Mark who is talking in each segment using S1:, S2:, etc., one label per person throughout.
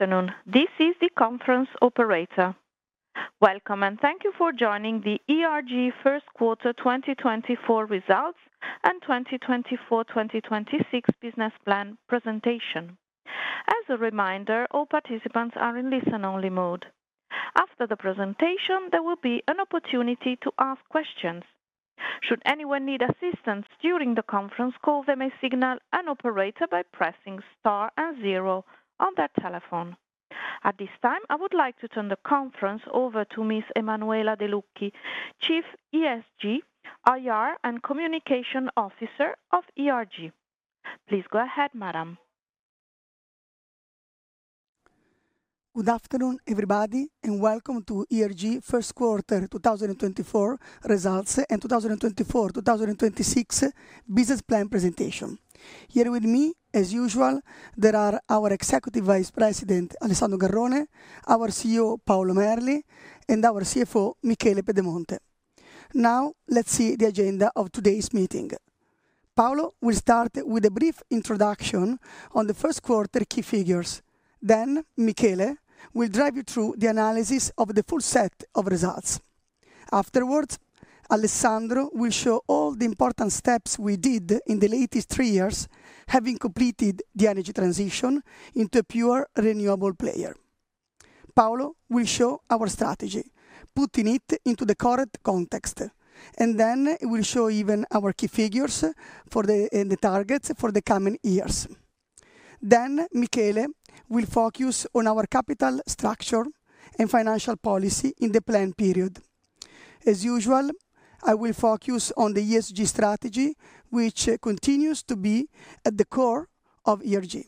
S1: Good afternoon. This is the conference operator. Welcome, and thank you for joining the ERG Q1 2024 results and 2024-2026 business plan presentation. As a reminder, all participants are in listen-only mode. After the presentation, there will be an opportunity to ask questions. Should anyone need assistance during the conference call, they may signal an operator by pressing star and zero on their telephone. At this time, I would like to turn the conference over to Ms. Emanuela Delucchi, Chief ESG, IR, and Communication Officer of ERG. Please go ahead, madam.
S2: Good afternoon, everybody, and welcome to ERG first quarter 2024 results and 2024-2026 business plan presentation. Here with me, as usual, there are our Executive Vice President, Alessandro Garrone, our CEO, Paolo Merli, and our CFO, Michele Pedemonte. Now, let's see the agenda of today's meeting. Paolo will start with a brief introduction on the first quarter key figures. Then Michele will drive you through the analysis of the full set of results. Afterwards, Alessandro will show all the important steps we did in the latest three years, having completed the energy transition into a pure, renewable player. Paolo will show our strategy, putting it into the current context, and then he will show even our key figures for the, and the targets for the coming years. Then, Michele will focus on our capital structure and financial policy in the planned period. As usual, I will focus on the ESG strategy, which continues to be at the core of ERG.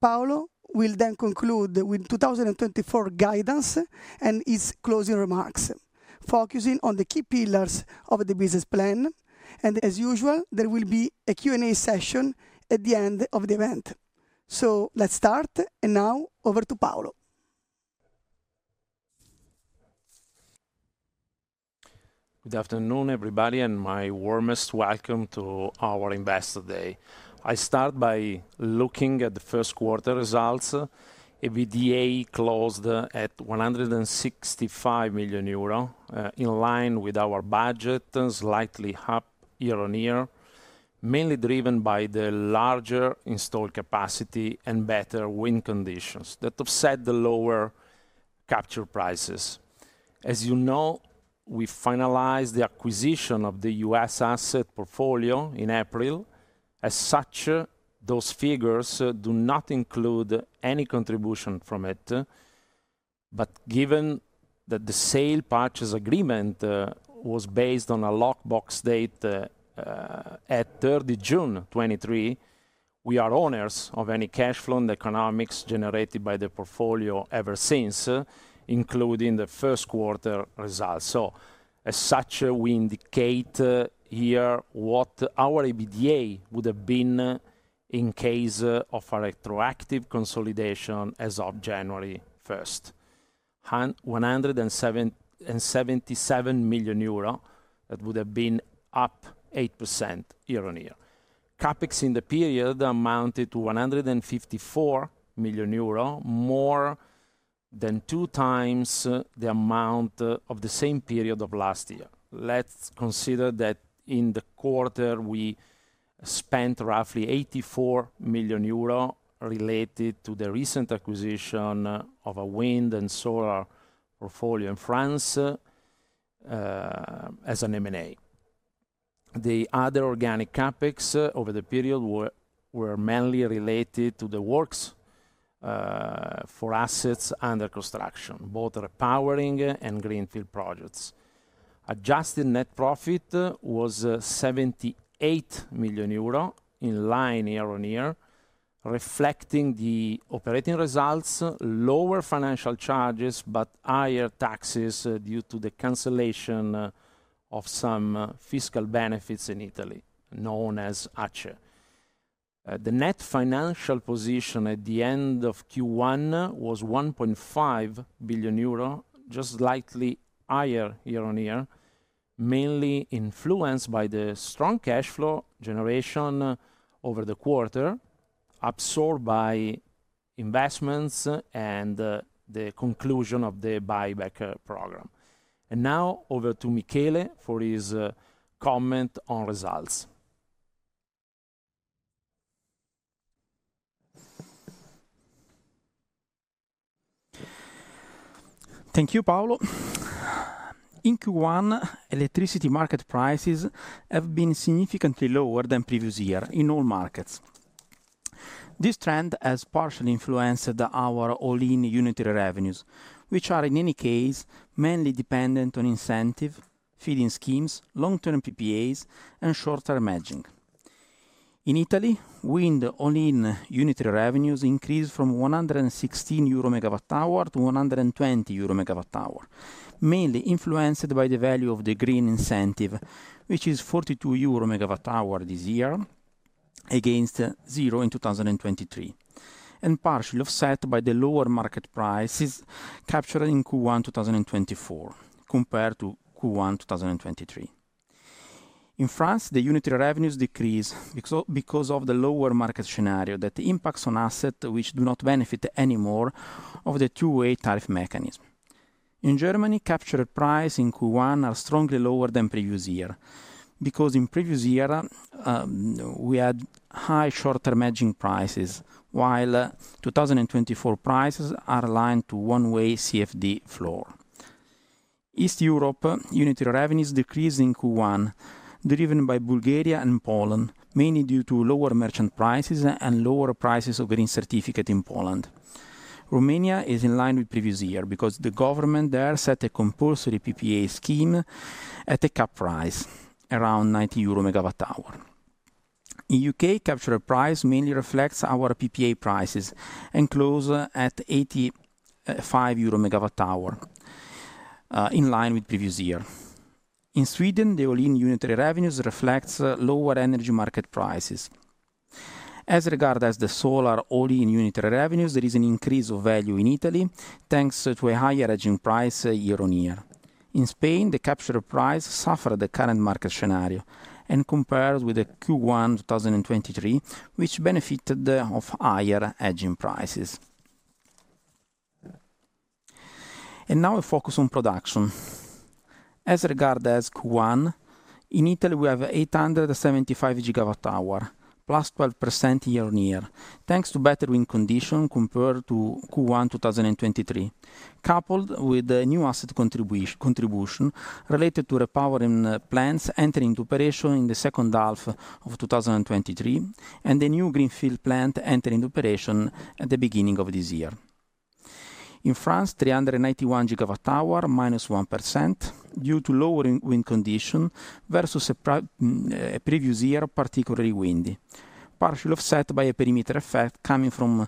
S2: Paolo will then conclude with 2024 guidance and his closing remarks, focusing on the key pillars of the business plan, and as usual, there will be a Q&A session at the end of the event. So let's start, and now over to Paolo.
S3: Good afternoon, everybody, and my warmest welcome to our Investor Day. I start by looking at the first quarter results. EBITDA closed at 165 million euro, in line with our budget, and slightly up year-on-year, mainly driven by the larger installed capacity and better wind conditions that offset the lower capture prices. As you know, we finalized the acquisition of the U.S. asset portfolio in April. As such, those figures do not include any contribution from it. But given that the sale purchase agreement was based on a lock box date at 3 June 2023, we are owners of any cash flow and economics generated by the portfolio ever since, including the first quarter results. So as such, we indicate here what our EBITDA would have been in case of a retroactive consolidation as of January first. 177 million euro, that would have been up 8% year-on-year. CapEx in the period amounted to 154 million euro, more than 2 times the amount of the same period of last year. Let's consider that in the quarter, we spent roughly 84 million euro related to the recent acquisition of a wind and solar portfolio in France, as an M&A. The other organic CapEx over the period were mainly related to the works for assets under construction, both repowering and greenfield projects. Adjusted net profit was 78 million euro, in line year-on-year, reflecting the operating results, lower financial charges, but higher taxes due to the cancellation of some fiscal benefits in Italy, known as ACE. The net financial position at the end of Q1 was 1.5 billion euro, just slightly higher year-on-year, mainly influenced by the strong cash flow generation over the quarter, absorbed by investments and the conclusion of the buyback program. And now over to Michele for his comment on results.
S4: Thank you, Paolo. In Q1, electricity market prices have been significantly lower than previous year in all markets. This trend has partially influenced our all-in unitary revenues, which are, in any case, mainly dependent on incentive, feed-in schemes, long-term PPAs, and short-term hedging. In Italy, wind all-in unitary revenues increased from 116 EUR/MWh to 120 EUR/MWh, mainly influenced by the value of the green incentive, which is 42 EUR/MWh this year, against 0 in 2023, and partially offset by the lower market prices captured in Q1 2024 compared to Q1 2023.... In France, the unitary revenues decrease because of the lower market scenario that impacts on asset, which do not benefit anymore of the two-way tariff mechanism. In Germany, captured price in Q1 are strongly lower than previous year, because in previous year, we had high short-term hedging prices, while 2024 prices are aligned to one-way CFD floor. East Europe, unitary revenues decreased in Q1, driven by Bulgaria and Poland, mainly due to lower merchant prices and lower prices of green certificate in Poland. Romania is in line with previous year because the government there set a compulsory PPA scheme at a cap price, around 90 euro/MWh. In U.K., capture price mainly reflects our PPA prices and close at 85 euro/MWh, in line with previous year. In Sweden, the all-in unitary revenues reflects, lower energy market prices. As regard as the solar all-in unitary revenues, there is an increase of value in Italy, thanks to a higher hedging price year-on-year. In Spain, the capture price suffered the current market scenario and compared with the Q1 2023, which benefited of higher hedging prices. Now a focus on production. As regards Q1, in Italy, we have 875 GWh, +12% year-on-year, thanks to better wind condition compared to Q1 2023, coupled with the new asset contribution related to repowering plants entering into operation in the second half of 2023, and the new greenfield plant entering operation at the beginning of this year. In France, 391 GWh, -1%, due to lower wind condition versus a previous year, particularly windy, partially offset by a perimeter effect coming from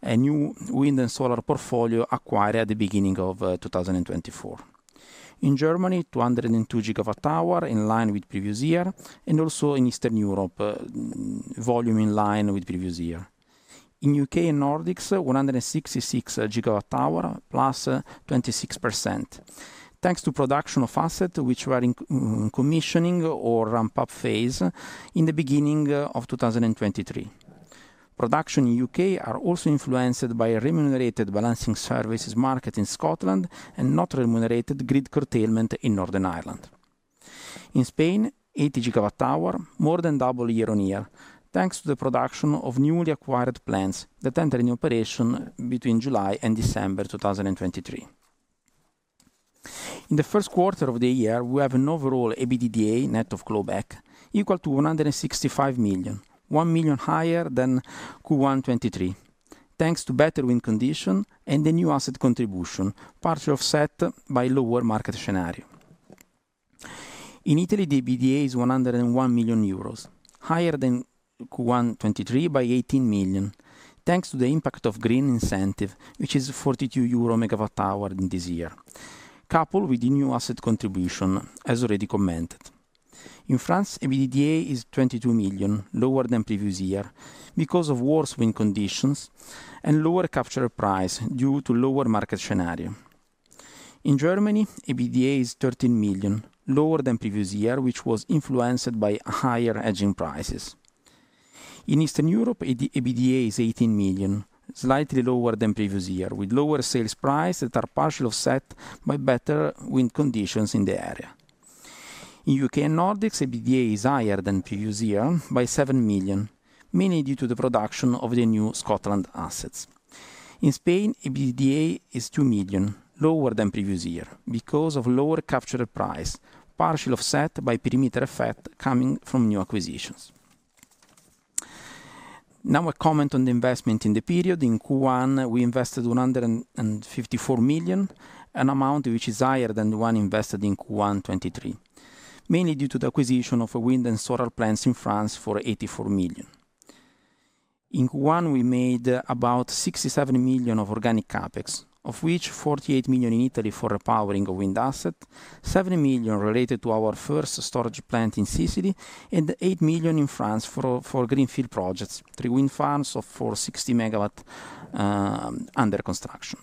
S4: a new wind and solar portfolio acquired at the beginning of 2024. In Germany, 202 GWh, in line with previous year, and also in Eastern Europe, volume in line with previous year. In U.K. and Nordics, 166 GWh, +26%, thanks to production of asset which were in commissioning or ramp-up phase in the beginning of 2023. Production in U.K. are also influenced by a remunerated balancing services market in Scotland and not remunerated grid curtailment in Northern Ireland. In Spain, 80 GWh, more than double year-on-year, thanks to the production of newly acquired plants that entered in operation between July and December 2023. In the first quarter of the year, we have an overall EBITDA net of clawback, equal to 165 million, 1 million higher than Q1 2023, thanks to better wind condition and the new asset contribution, partially offset by lower market scenario. In Italy, the EBITDA is 101 million euros, higher than Q1 2023 by 18 million, thanks to the impact of green incentive, which is €42/MWh in this year, coupled with the new asset contribution, as already commented. In France, EBITDA is 22 million, lower than previous year, because of worse wind conditions and lower capture price due to lower market scenario. In Germany, EBITDA is 13 million, lower than previous year, which was influenced by higher hedging prices. In Eastern Europe, EBITDA is 18 million, slightly lower than previous year, with lower sales price that are partially offset by better wind conditions in the area. In U.K. and Nordics, EBITDA is higher than previous year by 7 million, mainly due to the production of the new Scotland assets. In Spain, EBITDA is 2 million, lower than previous year, because of lower capture price, partially offset by perimeter effect coming from new acquisitions. Now, a comment on the investment in the period. In Q1, we invested 154 million, an amount which is higher than the one invested in Q1 2023, mainly due to the acquisition of wind and solar plants in France for 84 million. In Q1, we made about 67 million of organic CapEx, of which 48 million in Italy for repowering a wind asset, 70 million related to our first storage plant in Sicily, and 8 million in France for greenfield projects, three wind farms of 460 MW under construction.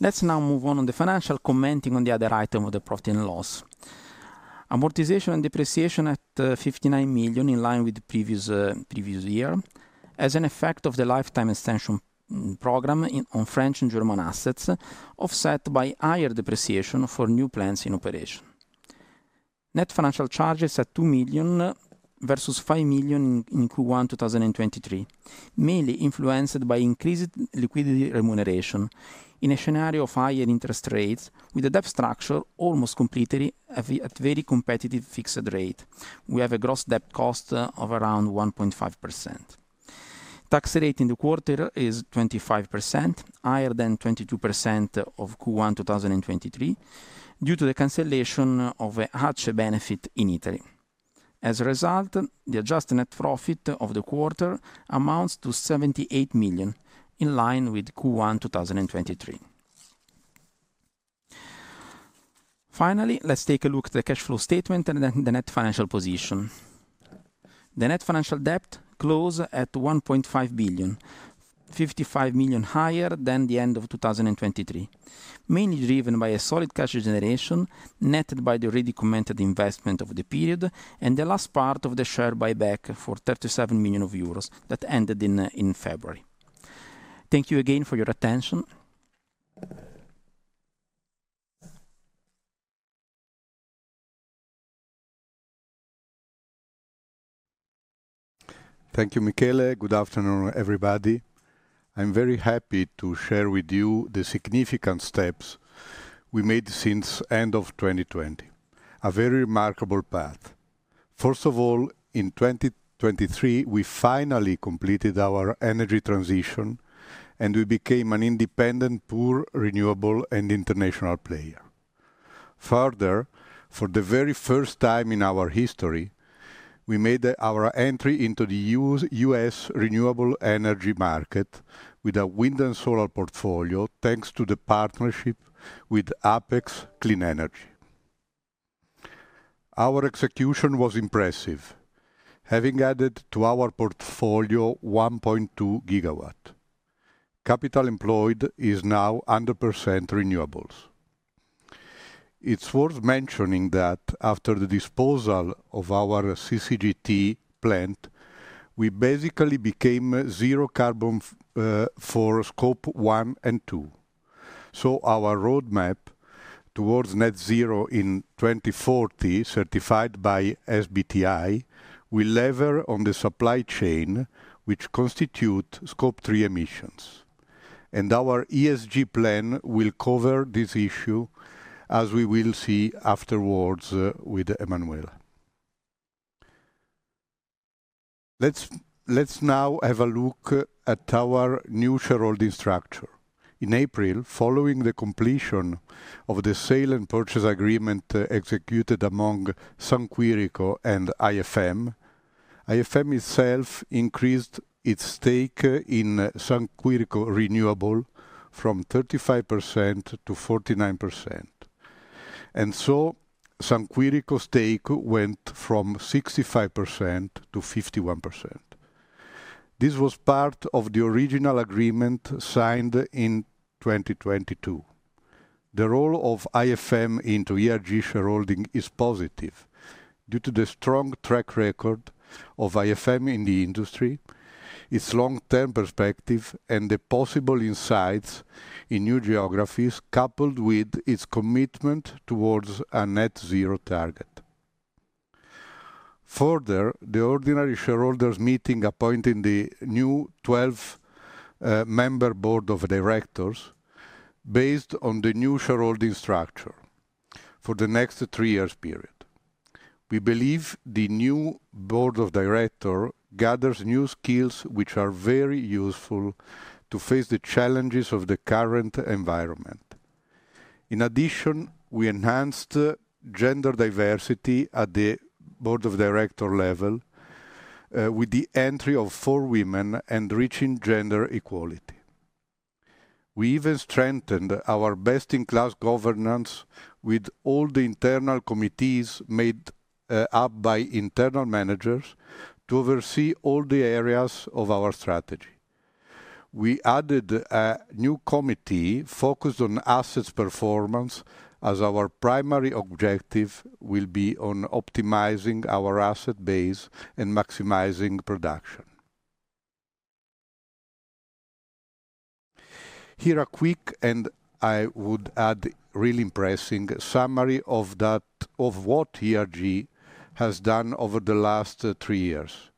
S4: Let's now move on to the financial, commenting on the other item of the profit and loss. Amortization and depreciation at 59 million, in line with the previous year, as an effect of the lifetime extension program on French and German assets, offset by higher depreciation for new plants in operation. Net financial charges at 2 million, versus 5 million in Q1 2023, mainly influenced by increased liquidity remuneration. In a scenario of higher interest rates, with the debt structure almost completely at a, at very competitive fixed rate, we have a gross debt cost of around 1.5%. Tax rate in the quarter is 25%, higher than 22% of Q1 2023, due to the cancellation of a ACE benefit in Italy. As a result, the adjusted net profit of the quarter amounts to 78 million, in line with Q1 2023. Finally, let's take a look at the cash flow statement and then the net financial position. The net financial debt closed at 1.5 billion, 55 million higher than the end of 2023, mainly driven by a solid cash generation, netted by the already commented investment of the period, and the last part of the share buyback for 37 million euros that ended in in February. Thank you again for your attention.
S5: Thank you, Michele. Good afternoon, everybody. I'm very happy to share with you the significant steps we made since end of 2020. A very remarkable path. First of all, in 2023, we finally completed our energy transition, and we became an independent, pure, renewable, and international player. Further, for the very first time in our history, we made our entry into the U.S. renewable energy market with a wind and solar portfolio, thanks to the partnership with Apex Clean Energy. Our execution was impressive, having added to our portfolio 1.2 GW. Capital employed is now 100% renewables. It's worth mentioning that after the disposal of our CCGT plant, we basically became zero carbon for Scope 1 and 2. So our roadmap towards net zero in 2040, certified by SBTi, will lever on the supply chain, which constitute Scope 3 emissions, and our ESG plan will cover this issue, as we will see afterwards, with Emanuela. Let's, let's now have a look at our new shareholding structure. In April, following the completion of the sale and purchase agreement executed among San Quirico and IFM, IFM itself increased its stake in SQ Renewables from 35% to 49%. And so San Quirico's stake went from 65% to 51%. This was part of the original agreement signed in 2022. The role of IFM into ERG shareholding is positive due to the strong track record of IFM in the industry, its long-term perspective, and the possible insights in new geographies, coupled with its commitment towards a net zero target. Further, the ordinary shareholders meeting, appointing the new 12-member board of directors, based on the new shareholding structure for the next three-year period. We believe the new board of directors gathers new skills, which are very useful to face the challenges of the current environment. In addition, we enhanced gender diversity at the board of directors level with the entry of four women and reaching gender equality. We even strengthened our best-in-class governance with all the internal committees made up by internal managers to oversee all the areas of our strategy. We added a new committee focused on assets performance, as our primary objective will be on optimizing our asset base and maximizing production. Here, a quick, and I would add, really impressive summary of that, of what ERG has done over the last three years,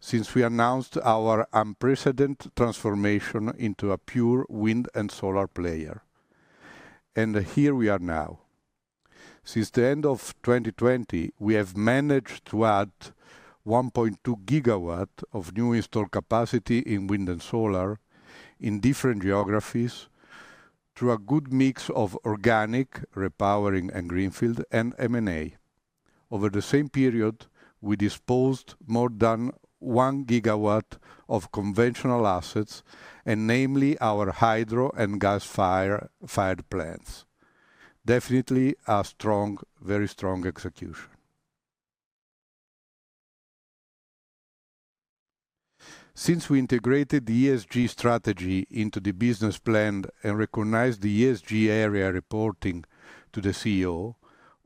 S5: since we announced our unprecedented transformation into a pure wind and solar player. Here we are now. Since the end of 2020, we have managed to add 1.2 GW of new installed capacity in wind and solar in different geographies, through a good mix of organic, repowering and greenfield, and M&A. Over the same period, we disposed more than 1 GW of conventional assets, and namely, our hydro and gas-fired plants. Definitely a strong, very strong execution. Since we integrated the ESG strategy into the business plan and recognized the ESG area reporting to the CEO,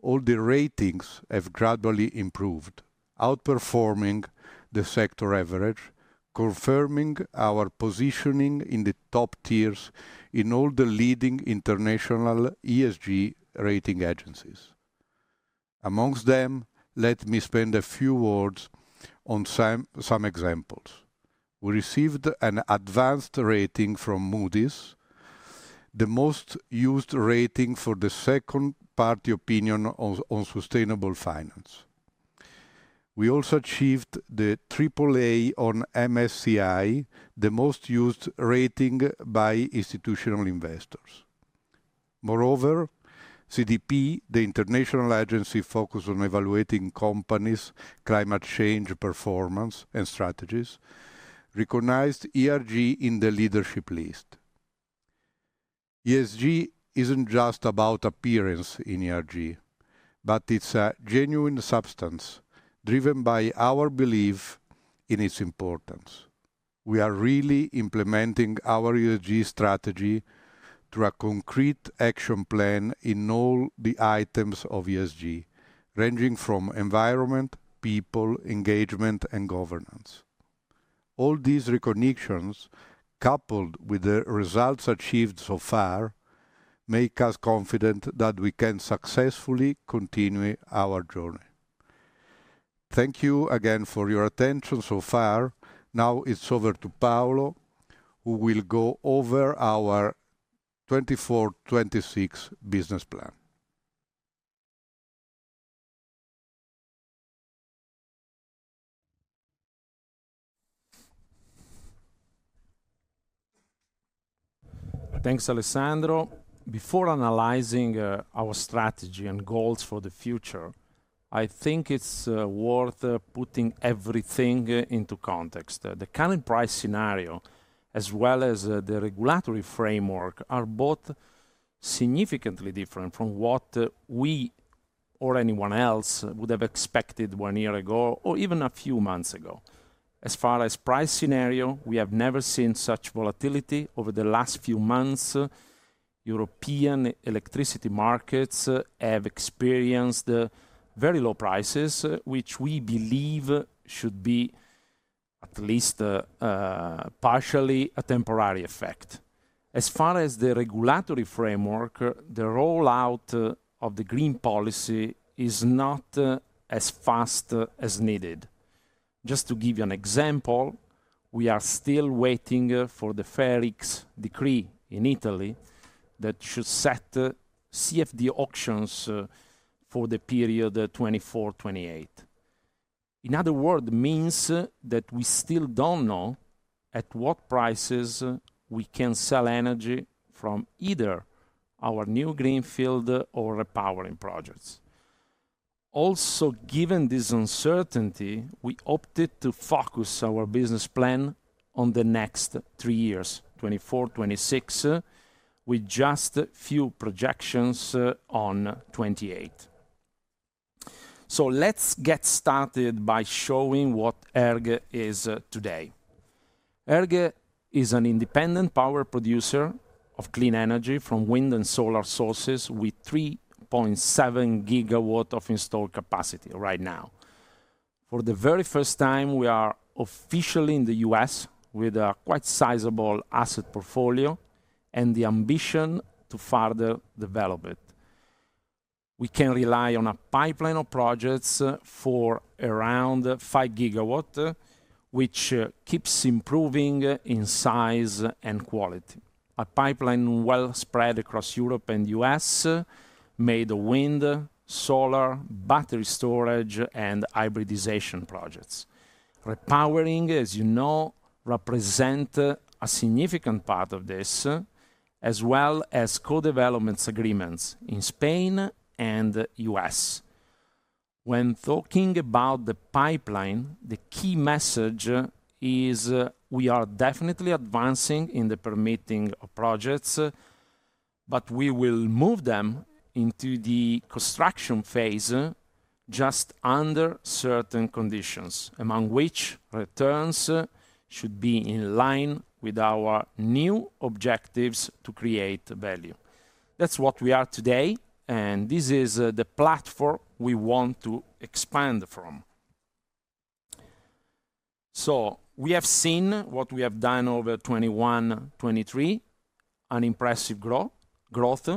S5: all the ratings have gradually improved, outperforming the sector average, confirming our positioning in the top tiers in all the leading international ESG rating agencies. Among them, let me spend a few words on some examples. We received an advanced rating from Moody's, the most used rating for the second-party opinion on sustainable finance. We also achieved the triple A on MSCI, the most used rating by institutional investors. Moreover, CDP, the international agency focused on evaluating companies' climate change performance and strategies, recognized ERG in the leadership list. ESG isn't just about appearance in ERG, but it's a genuine substance driven by our belief in its importance. We are really implementing our ESG strategy through a concrete action plan in all the items of ESG, ranging from environment, people, engagement, and governance. All these recognitions, coupled with the results achieved so far, make us confident that we can successfully continue our journey. Thank you again for your attention so far. Now it's over to Paolo, who will go over our 2024-2026 business plan.
S3: Thanks, Alessandro. Before analyzing our strategy and goals for the future, I think it's worth putting everything into context. The current price scenario, as well as the regulatory framework, are both significantly different from what we or anyone else would have expected one year ago or even a few months ago. As far as price scenario, we have never seen such volatility over the last few months. European electricity markets have experienced very low prices, which we believe should be at least partially a temporary effect. As far as the regulatory framework, the rollout of the green policy is not as fast as needed. Just to give you an example, we are still waiting for the FER X decree in Italy that should set CFD auctions for the period 2024-2028. In other word, means that we still don't know at what prices we can sell energy from either our new greenfield or repowering projects. Also, given this uncertainty, we opted to focus our business plan on the next three years, 2024/2026, with just a few projections on 2028. So let's get started by showing what ERG is today. ERG is an independent power producer of clean energy from wind and solar sources, with 3.7 GW of installed capacity right now. For the very first time, we are officially in the U.S. with a quite sizable asset portfolio and the ambition to further develop it. We can rely on a pipeline of projects for around 5 GW, which keeps improving in size and quality. A pipeline well spread across Europe and U.S., made of wind, solar, battery storage, and hybridization projects. Repowering, as you know, represents a significant part of this, as well as co-development agreements in Spain and U.S. When talking about the pipeline, the key message is we are definitely advancing in the permitting of projects, but we will move them into the construction phase just under certain conditions, among which returns should be in line with our new objectives to create value. That's what we are today, and this is the platform we want to expand from. So we have seen what we have done over 2021-2023, an impressive growth.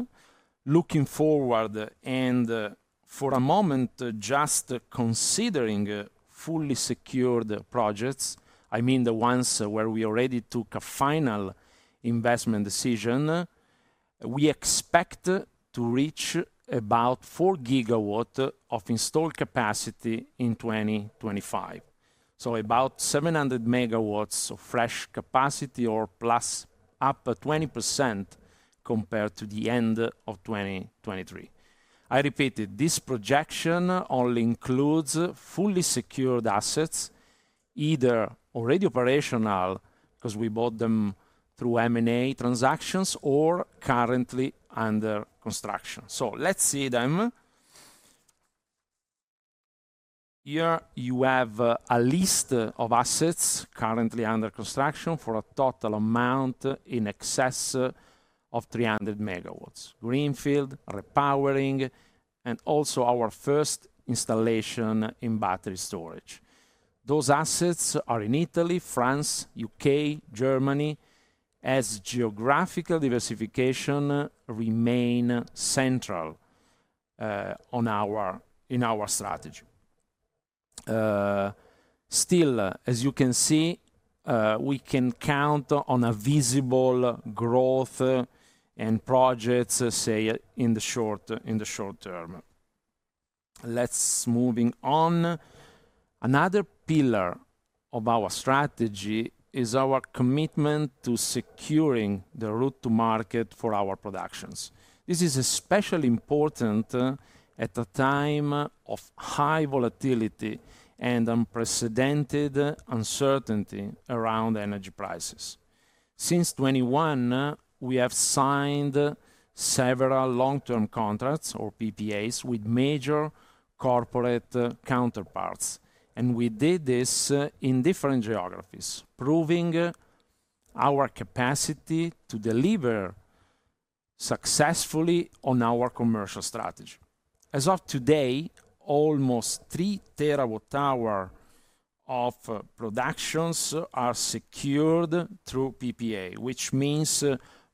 S3: Looking forward and, for a moment, just considering fully secured projects, I mean, the ones where we already took a final investment decision, we expect to reach about 4 GW of installed capacity in 2025, so about 700 MW of fresh capacity or plus up to 20% compared to the end of 2023. I repeat, this projection only includes fully secured assets, either already operational, 'cause we bought them through M&A transactions, or currently under construction. So let's see them. Here you have a list of assets currently under construction for a total amount in excess of 300 MW: greenfield, repowering, and also our first installation in battery storage. Those assets are in Italy, France, U.K., Germany, as geographical diversification remain central in our strategy. Still, as you can see, we can count on a visible growth, and projects, say, in the short, in the short term. Let's moving on. Another pillar of our strategy is our commitment to securing the route to market for our productions. This is especially important at a time of high volatility and unprecedented uncertainty around energy prices... Since 2021, we have signed several long-term contracts, or PPAs, with major corporate counterparts, and we did this in different geographies, proving our capacity to deliver successfully on our commercial strategy. As of today, almost 3 TWh of productions are secured through PPA, which means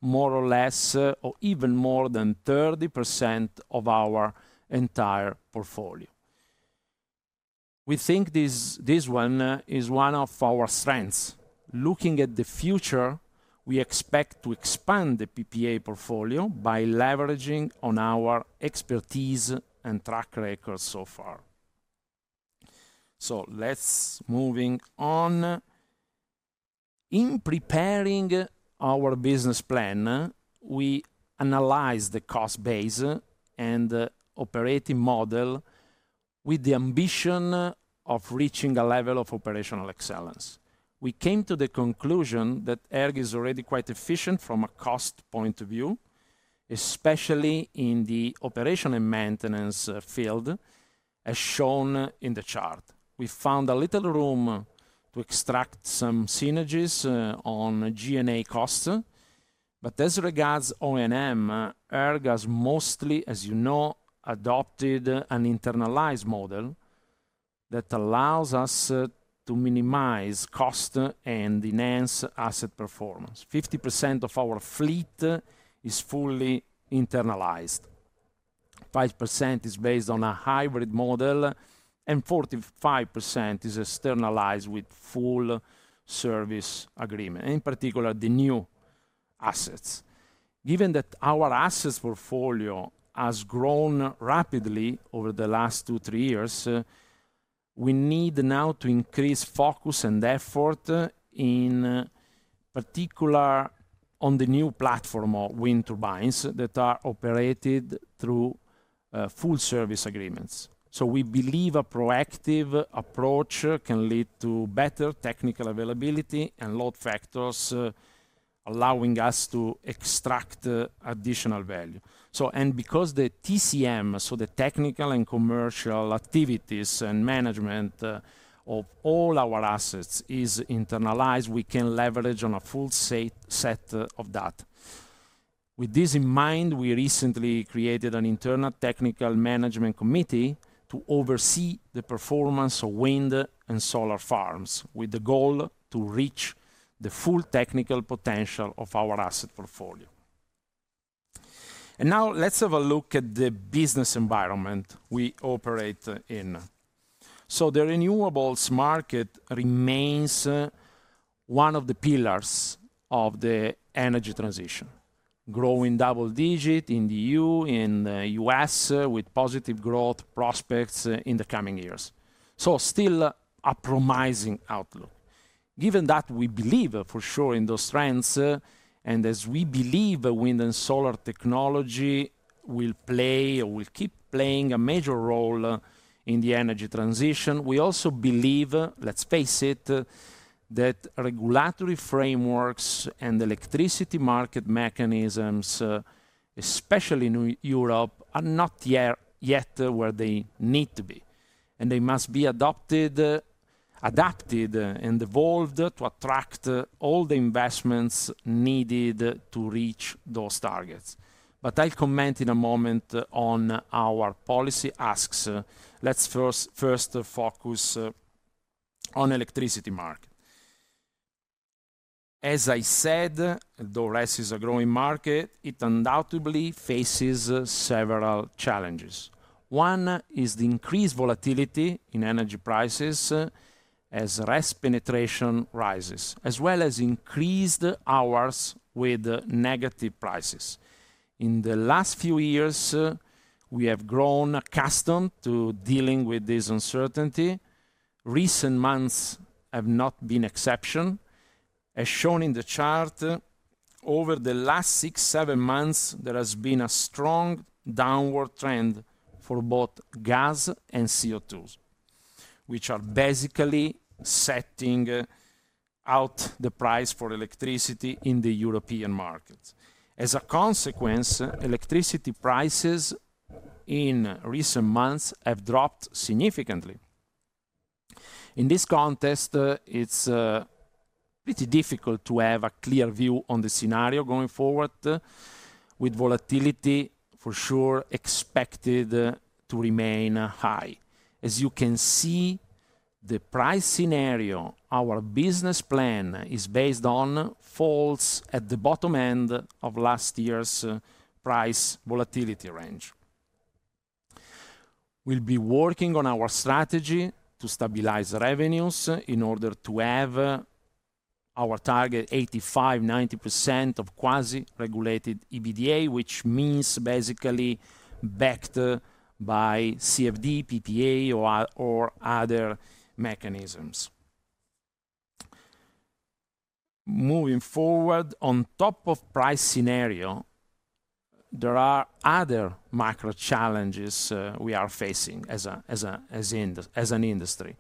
S3: more or less, or even more than 30% of our entire portfolio. We think this, this one, is one of our strengths. Looking at the future, we expect to expand the PPA portfolio by leveraging on our expertise and track record so far. So let's moving on. In preparing our business plan, we analyzed the cost base and operating model with the ambition of reaching a level of operational excellence. We came to the conclusion that ERG is already quite efficient from a cost point of view, especially in the operation and maintenance field, as shown in the chart. We found a little room to extract some synergies on G&A costs, but as regards O&M, ERG has mostly, as you know, adopted an internalized model that allows us to minimize cost and enhance asset performance. 50% of our fleet is fully internalized, 5% is based on a hybrid model, and 45% is externalized with full service agreement, in particular, the new assets. Given that our assets portfolio has grown rapidly over the last two, three years, we need now to increase focus and effort, in particular, on the new platform of wind turbines that are operated through full service agreements. So we believe a proactive approach can lead to better technical availability and load factors, allowing us to extract additional value. So and because the TCM, so the technical and commercial activities and management of all our assets is internalized, we can leverage on a full set of data. With this in mind, we recently created an internal technical management committee to oversee the performance of wind and solar farms, with the goal to reach the full technical potential of our asset portfolio. Now let's have a look at the business environment we operate in. So the renewables market remains one of the pillars of the energy transition, growing double-digit in the EU, in the U.S., with positive growth prospects in the coming years. So still a promising outlook. Given that, we believe for sure in those trends, and as we believe wind and solar technology will play or will keep playing a major role in the energy transition, we also believe, let's face it, that regulatory frameworks and electricity market mechanisms, especially in Europe, are not yet, yet where they need to be, and they must be adopted, adapted, and evolved to attract all the investments needed to reach those targets. But I'll comment in a moment on our policy asks. Let's first focus on electricity market. As I said, though, RES is a growing market, it undoubtedly faces several challenges. One is the increased volatility in energy prices as RES penetration rises, as well as increased hours with negative prices. In the last few years, we have grown accustomed to dealing with this uncertainty. Recent months have not been exception. As shown in the chart, over the last 6-7 months, there has been a strong downward trend for both gas and CO2, which are basically setting out the price for electricity in the European markets. As a consequence, electricity prices in recent months have dropped significantly. In this context, it's pretty difficult to have a clear view on the scenario going forward, with volatility, for sure, expected to remain high. As you can see, the price scenario our business plan is based on falls at the bottom end of last year's price volatility range. We'll be working on our strategy to stabilize revenues in order to have our target 85%-90% of quasi-regulated EBITDA, which means basically backed by CFD, PPA, or other mechanisms. Moving forward, on top of price scenarios... There are other macro challenges we are facing as an industry.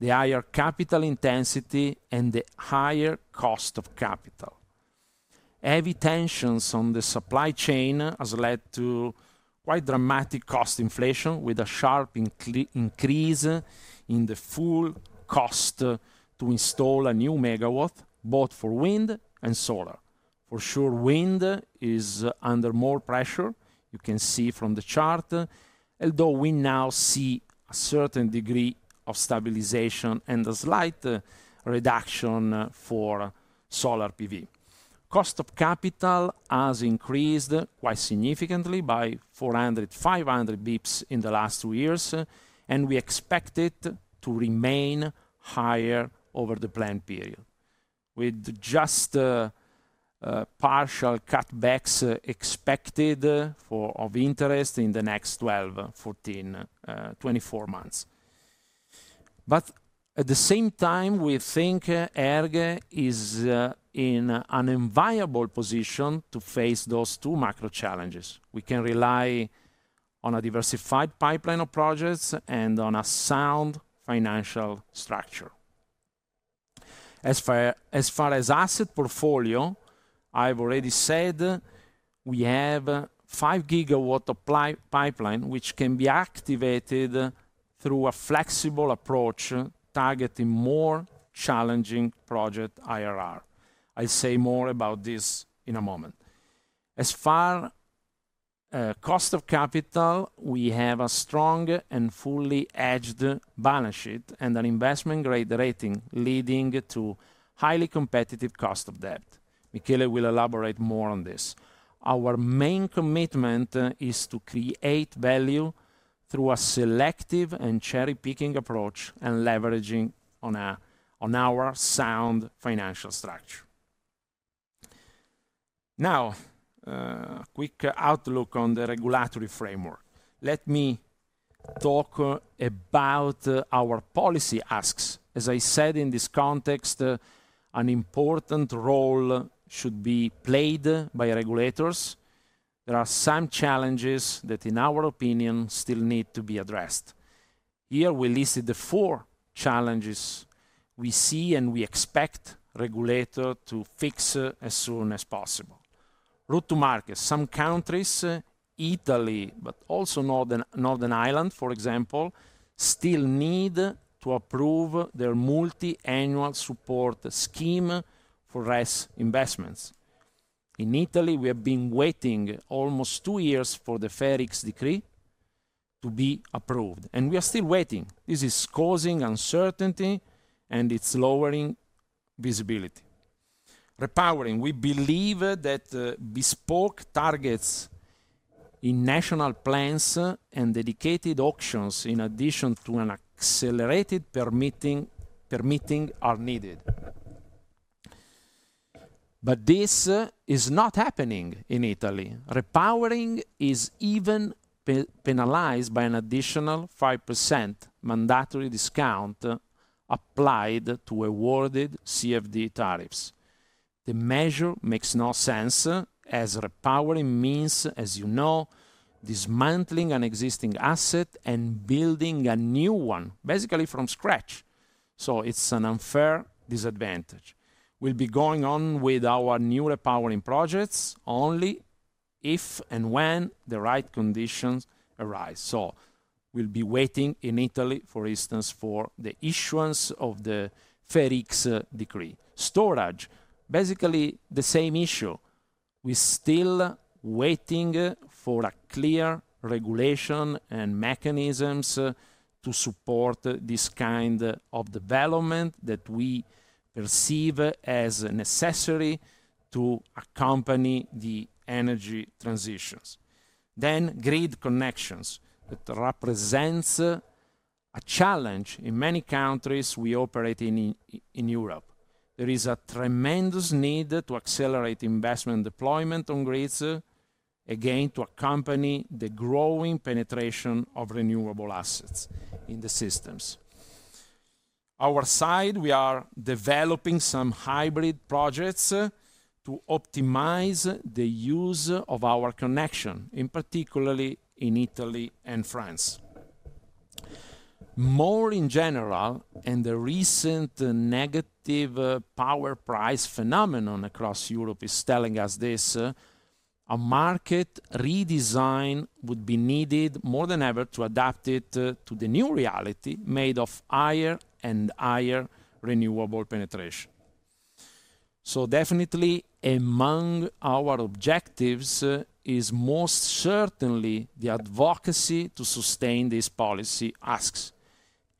S3: The higher capital intensity and the higher cost of capital. Heavy tensions on the supply chain has led to quite dramatic cost inflation, with a sharp increase in the full cost to install a new megawatt, both for wind and solar. For sure, wind is under more pressure, you can see from the chart, although we now see a certain degree of stabilization and a slight reduction for solar PV. Cost of capital has increased quite significantly by 400, 500 basis points in the last two years, and we expect it to remain higher over the planned period, with just partial cutbacks expected for rates of interest in the next 12, 14, 24 months. But at the same time, we think ERG is in an enviable position to face those two macro challenges. We can rely on a diversified pipeline of projects and on a sound financial structure. As far as asset portfolio, I've already said, we have a 5 GW pipeline, which can be activated through a flexible approach, targeting more challenging project IRR. I'll say more about this in a moment. As far as cost of capital, we have a strong and fully hedged balance sheet and an investment-grade rating, leading to highly competitive cost of debt. Michele will elaborate more on this. Our main commitment is to create value through a selective and cherry-picking approach and leveraging on a, on our sound financial structure. Now, quick outlook on the regulatory framework. Let me talk about our policy asks. As I said, in this context, an important role should be played by regulators. There are some challenges that, in our opinion, still need to be addressed. Here, we listed the four challenges we see, and we expect regulator to fix as soon as possible. Route to market. Some countries, Italy, but also Northern, Northern Ireland, for example, still need to approve their multi-annual support scheme for RES investments. In Italy, we have been waiting almost two years for the FER X decree to be approved, and we are still waiting. This is causing uncertainty, and it's lowering visibility. Repowering. We believe that bespoke targets in national plans and dedicated auctions, in addition to an accelerated permitting, are needed. But this is not happening in Italy. Repowering is even penalized by an additional 5% mandatory discount applied to awarded CFD tariffs. The measure makes no sense, as repowering means, as you know, dismantling an existing asset and building a new one, basically from scratch, so it's an unfair disadvantage. We'll be going on with our new repowering projects only if and when the right conditions arise. So we'll be waiting in Italy, for instance, for the issuance of the FER X decree. Storage, basically the same issue. We're still waiting for a clear regulation and mechanisms to support this kind of development that we perceive as necessary to accompany the energy transitions. Then, grid connections, that represents a challenge in many countries we operate in, in Europe. There is a tremendous need to accelerate investment deployment on grids, again, to accompany the growing penetration of renewable assets in the systems. On our side, we are developing some hybrid projects to optimize the use of our connection, in particular in Italy and France. More generally, the recent negative power price phenomenon across Europe is telling us this: a market redesign would be needed more than ever to adapt it to the new reality made of higher and higher renewable penetration. So definitely among our objectives is most certainly the advocacy to sustain this policy asks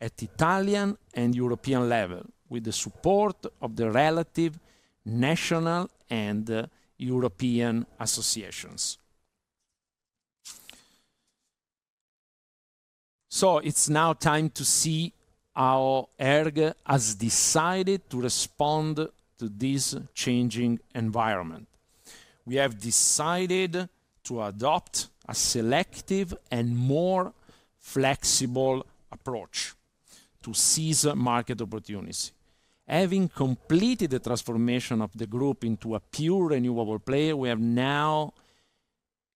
S3: at Italian and European level, with the support of the respective national and European associations. So it's now time to see how ERG has decided to respond to this changing environment. We have decided to adopt a selective and more flexible approach... to seize market opportunities. Having completed the transformation of the group into a pure renewable player, we have now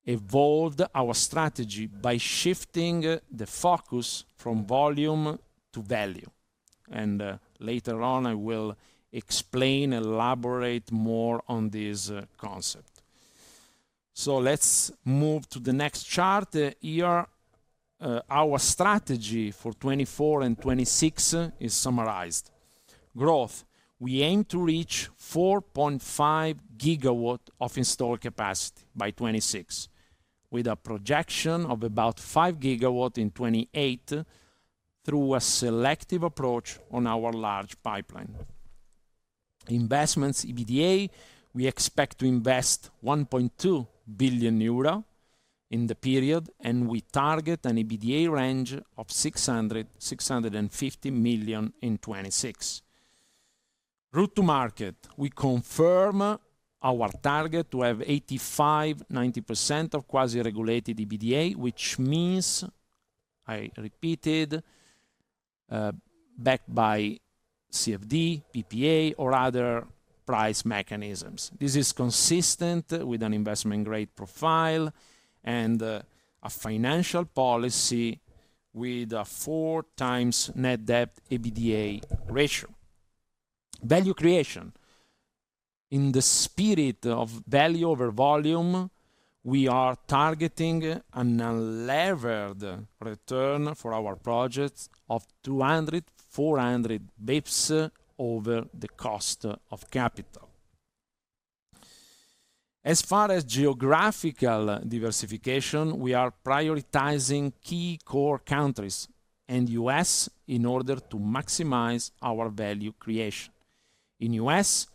S3: evolved our strategy by shifting the focus from volume to value, and later on, I will explain, elaborate more on this concept. So let's move to the next chart. Here, our strategy for 2024 and 2026 is summarized. Growth: We aim to reach 4.5 GW of installed capacity by 2026, with a projection of about 5 GW in 2028, through a selective approach on our large pipeline. Investments, EBITDA, we expect to invest 1.2 billion euro in the period, and we target an EBITDA range of 600 million-650 million in 2026. Route to market. We confirm our target to have 85%-90% of quasi-regulated EBITDA, which means, I repeat it, backed by CFD, PPA, or other price mechanisms. This is consistent with an investment grade profile and a financial policy with a 4x net debt EBITDA ratio. Value creation. In the spirit of value over volume, we are targeting an unlevered return for our projects of 200-400 bps over the cost of capital. As far as geographical diversification, we are prioritizing key core countries and U.S. in order to maximize our value creation. In U.S.,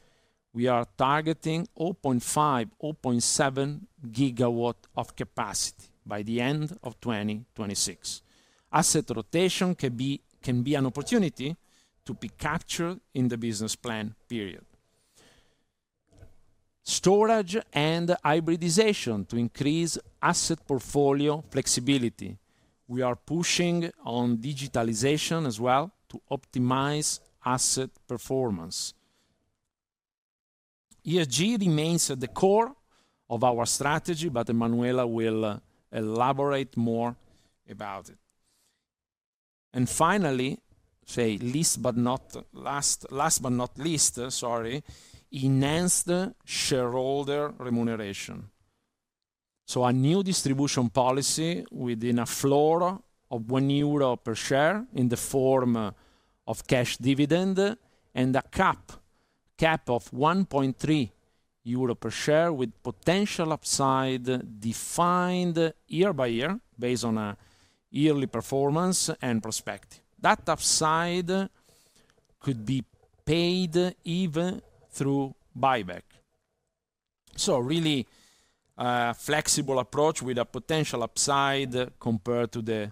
S3: we are targeting 0.5 GW-0.7 GW of capacity by the end of 2026. Asset rotation can be an opportunity to be captured in the business plan period. Storage and hybridization to increase asset portfolio flexibility. We are pushing on digitalization as well to optimize asset performance. ESG remains at the core of our strategy, but Emanuela will elaborate more about it. Finally, least but not last—last but not least, sorry, enhanced shareholder remuneration. So a new distribution policy within a floor of 1 euro per share in the form of cash dividend and a cap of 1.3 euro per share, with potential upside defined year by year based on a yearly performance and perspective. That upside could be paid even through buyback. So really, a flexible approach with a potential upside compared to the,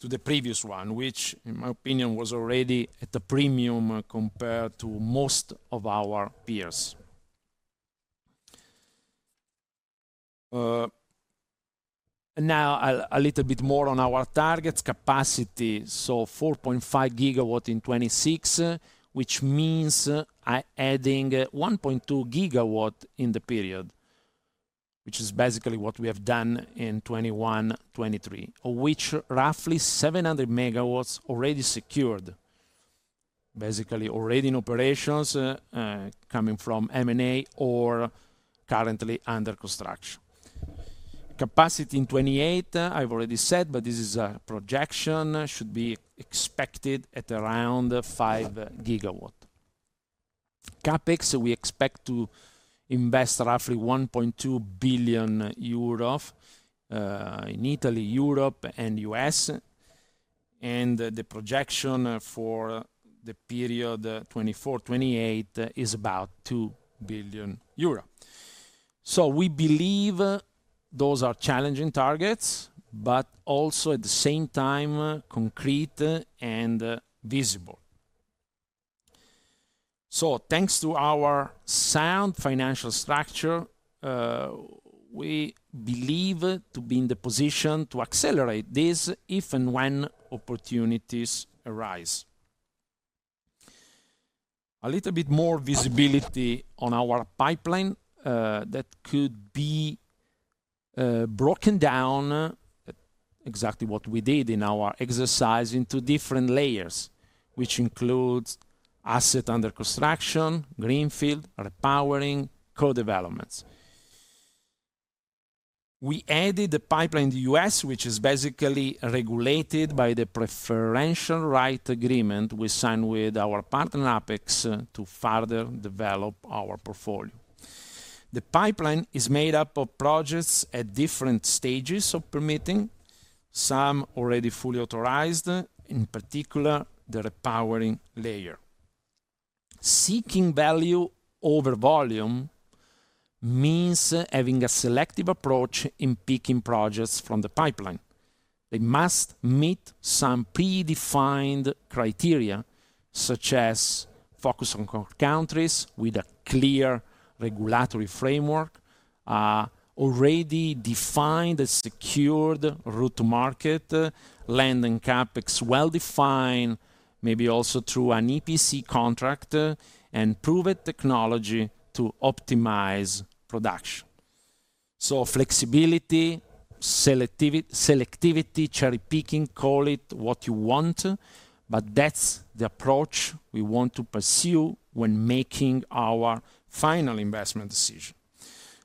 S3: to the previous one, which in my opinion, was already at a premium compared to most of our peers. Now, a little bit more on our targets capacity. So 4.5 GW in 2026, which means adding 1.2 GW in the period, which is basically what we have done in 2021-2023. Of which, roughly 700 MW already secured, basically already in operations, coming from M&A or currently under construction. Capacity in 2028, I've already said, but this is a projection, should be expected at around 5 GW. CapEx, we expect to invest roughly 1.2 billion euro in Italy, Europe, and U.S., and the projection for the period 2024-2028 is about 2 billion euro. So we believe those are challenging targets, but also at the same time, concrete and visible. So thanks to our sound financial structure, we believe to be in the position to accelerate this if and when opportunities arise. A little bit more visibility on our pipeline, that could be broken down, exactly what we did in our exercise, into different layers, which includes asset under construction, greenfield, repowering, co-developments. We added a pipeline in the U.S., which is basically regulated by the preferential right agreement we signed with our partner, Apex, to further develop our portfolio. The pipeline is made up of projects at different stages of permitting, some already fully authorized, in particular, the repowering layer. Seeking value over volume means having a selective approach in picking projects from the pipeline. They must meet some predefined criteria, such as focus on core countries with a clear regulatory framework, already defined a secured route to market, land and CapEx well defined, maybe also through an EPC contract, and proven technology to optimize production. So flexibility, selectivity, cherry picking, call it what you want, but that's the approach we want to pursue when making our final investment decision.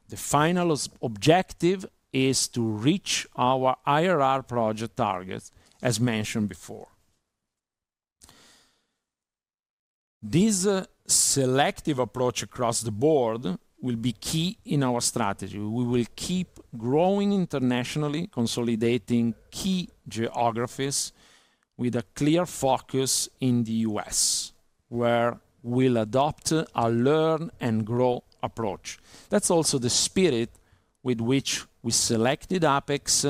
S3: The final objective is to reach our IRR project target, as mentioned before. This selective approach across the board will be key in our strategy. We will keep growing internationally, consolidating key geographies with a clear focus in the U.S., where we'll adopt a learn and grow approach. That's also the spirit with which we selected Apex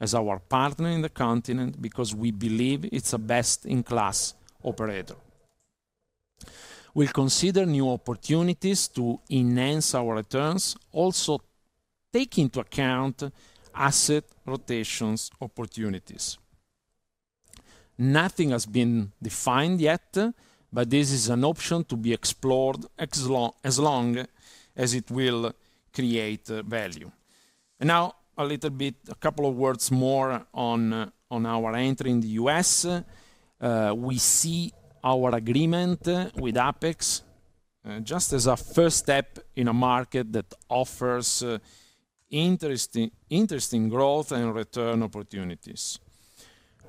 S3: as our partner in the continent, because we believe it's a best-in-class operator. We'll consider new opportunities to enhance our returns, also take into account asset rotations opportunities. Nothing has been defined yet, but this is an option to be explored as long as it will create value. Now, a little bit, a couple of words more on our entry in the U.S.. We see our agreement with Apex just as a first step in a market that offers interesting growth and return opportunities.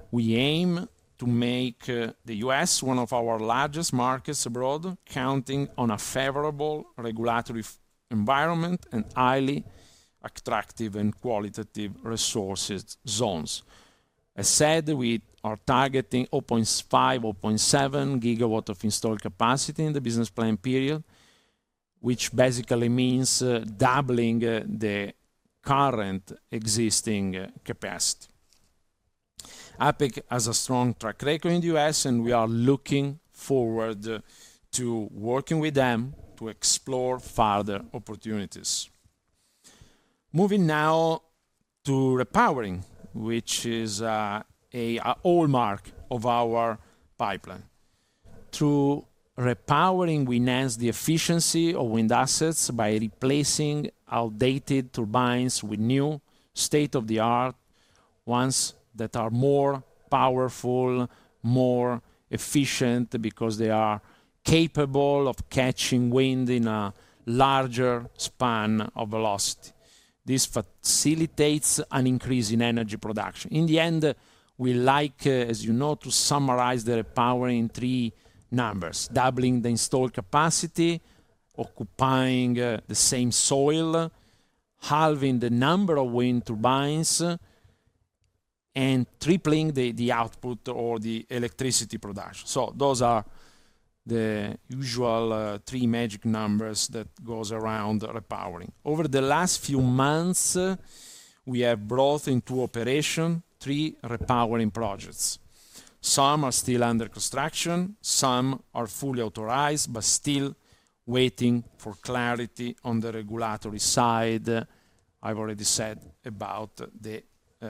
S3: We aim to make the U.S. one of our largest markets abroad, counting on a favorable regulatory environment and highly attractive and qualitative resources zones. I said we are targeting 0.5 GW-0.7 GW of installed capacity in the business plan period, which basically means doubling the current existing capacity. Apex has a strong track record in the U.S., and we are looking forward to working with them to explore further opportunities. Moving now to repowering, which is a hallmark of our pipeline. Through repowering, we enhance the efficiency of wind assets by replacing outdated turbines with new state-of-the-art ones that are more powerful, more efficient, because they are capable of catching wind in a larger span of velocity. This facilitates an increase in energy production. In the end, we like, as you know, to summarize the repowering in 3 numbers: doubling the installed capacity, occupying the same soil, halving the number of wind turbines, and tripling the output or the electricity production. So those are the usual 3 magic numbers that goes around repowering. Over the last few months, we have brought into operation 3 repowering projects. Some are still under construction, some are fully authorized, but still waiting for clarity on the regulatory side. I've already said about the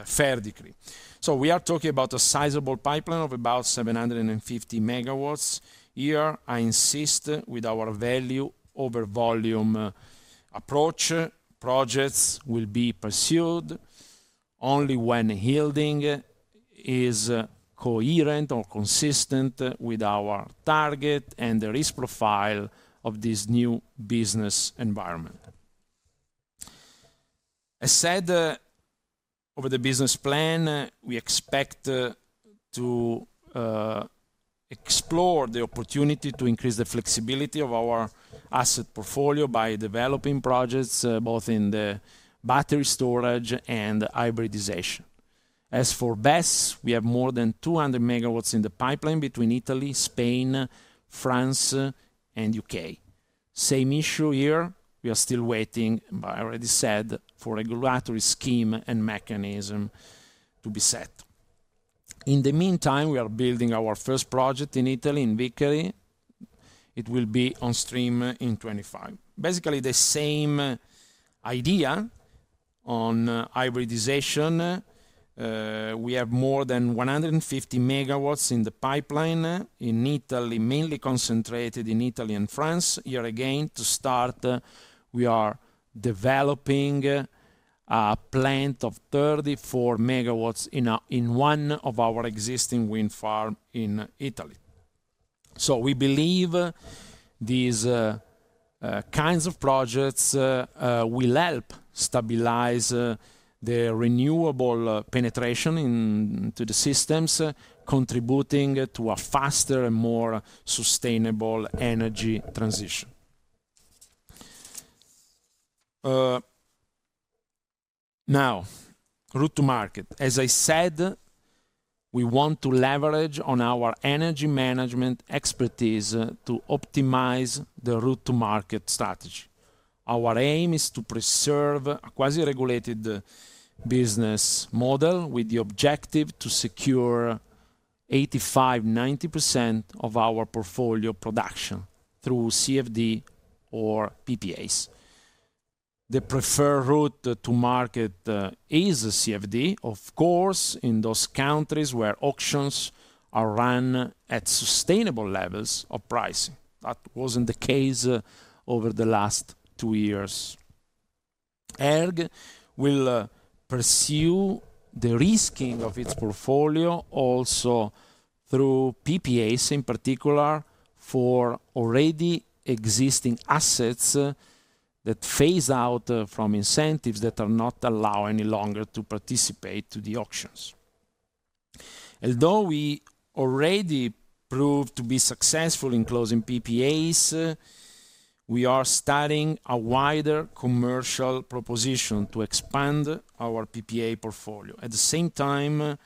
S3: FER decree. So we are talking about a sizable pipeline of about 750 MW. Here, I insist with our value over volume approach. Projects will be pursued only when yielding is coherent or consistent with our target and the risk profile of this new business environment. I said, over the business plan, we expect to explore the opportunity to increase the flexibility of our asset portfolio by developing projects, both in the battery storage and hybridization. As for BESS, we have more than 200 MW in the pipeline between Italy, Spain, France, and U.K.. Same issue here, we are still waiting, but I already said, for regulatory scheme and mechanism to be set. In the meantime, we are building our first project in Italy, in Vicari. It will be on stream in 2025. Basically, the same idea on hybridization. We have more than 150 MW in the pipeline in Italy, mainly concentrated in Italy and France. Here again, to start, we are developing a plant of 34 MW in one of our existing wind farm in Italy. So we believe these kinds of projects will help stabilize the renewable penetration into the systems, contributing to a faster and more sustainable energy transition. Now, route to market. As I said, we want to leverage on our energy management expertise to optimize the route to market strategy. Our aim is to preserve a quasi-regulated business model with the objective to secure 85%-90% of our portfolio production through CFD or PPAs. The preferred route to market is a CFD, of course, in those countries where auctions are run at sustainable levels of pricing. That wasn't the case over the last two years. ERG will pursue the risking of its portfolio also through PPAs, in particular, for already existing assets that phase out from incentives that are not allow any longer to participate to the auctions. Although we already proved to be successful in closing PPAs, we are starting a wider commercial proposition to expand our PPA portfolio. At the same time,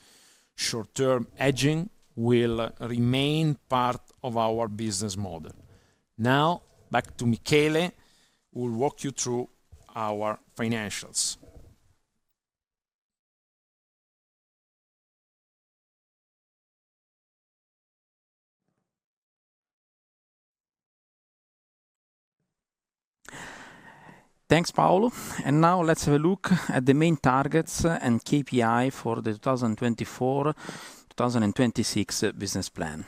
S3: short-term hedging will remain part of our business model. Now, back to Michele, who will walk you through our financials.
S4: Thanks, Paolo. Now let's have a look at the main targets and KPI for the 2024-2026 business plan.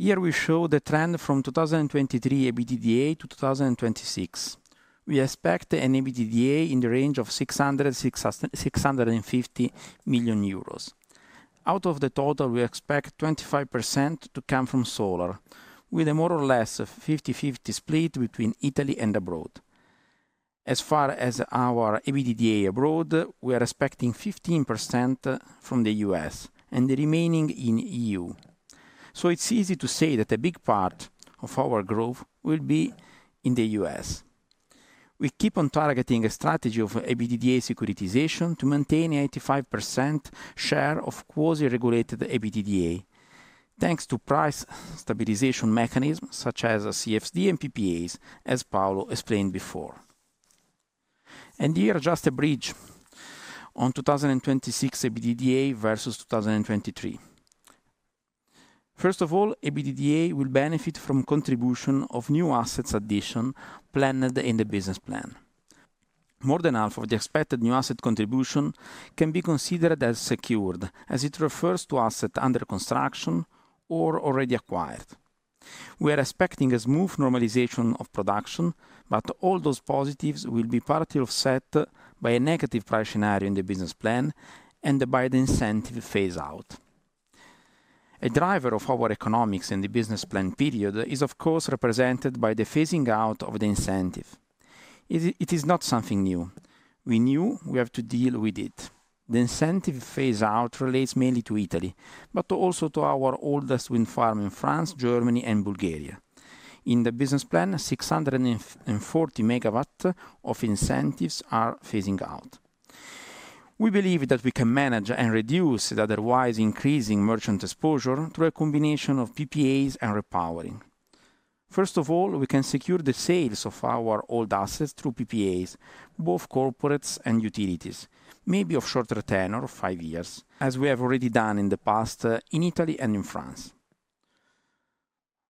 S4: Here we show the trend from 2023 EBITDA to 2026. We expect an EBITDA in the range of 600 million-650 million euros. Out of the total, we expect 25% to come from solar, with a more or less 50/50 split between Italy and abroad. As far as our EBITDA abroad, we are expecting 15% from the U.S. and the remaining in EU. So it's easy to say that a big part of our growth will be in the U.S.. We keep on targeting a strategy of EBITDA securitization to maintain 85% share of quasi-regulated EBITDA, thanks to price stabilization mechanisms such as CFD and PPAs, as Paolo explained before. Here, just a bridge on 2026 EBITDA versus 2023. First of all, EBITDA will benefit from contribution of new assets addition planned in the business plan. More than half of the expected new asset contribution can be considered as secured, as it refers to asset under construction or already acquired. We are expecting a smooth normalization of production, but all those positives will be partly offset by a negative price scenario in the business plan and by the incentive phase out. A driver of our economics in the business plan period is, of course, represented by the phasing out of the incentive. It is not something new. We knew we have to deal with it. The incentive phase out relates mainly to Italy, but also to our oldest wind farm in France, Germany, and Bulgaria. In the business plan, 640 MW of incentives are phasing out. We believe that we can manage and reduce the otherwise increasing merchant exposure through a combination of PPAs and repowering. First of all, we can secure the sales of our old assets through PPAs, both corporates and utilities, maybe of shorter tenure of 5 years, as we have already done in the past, in Italy and in France.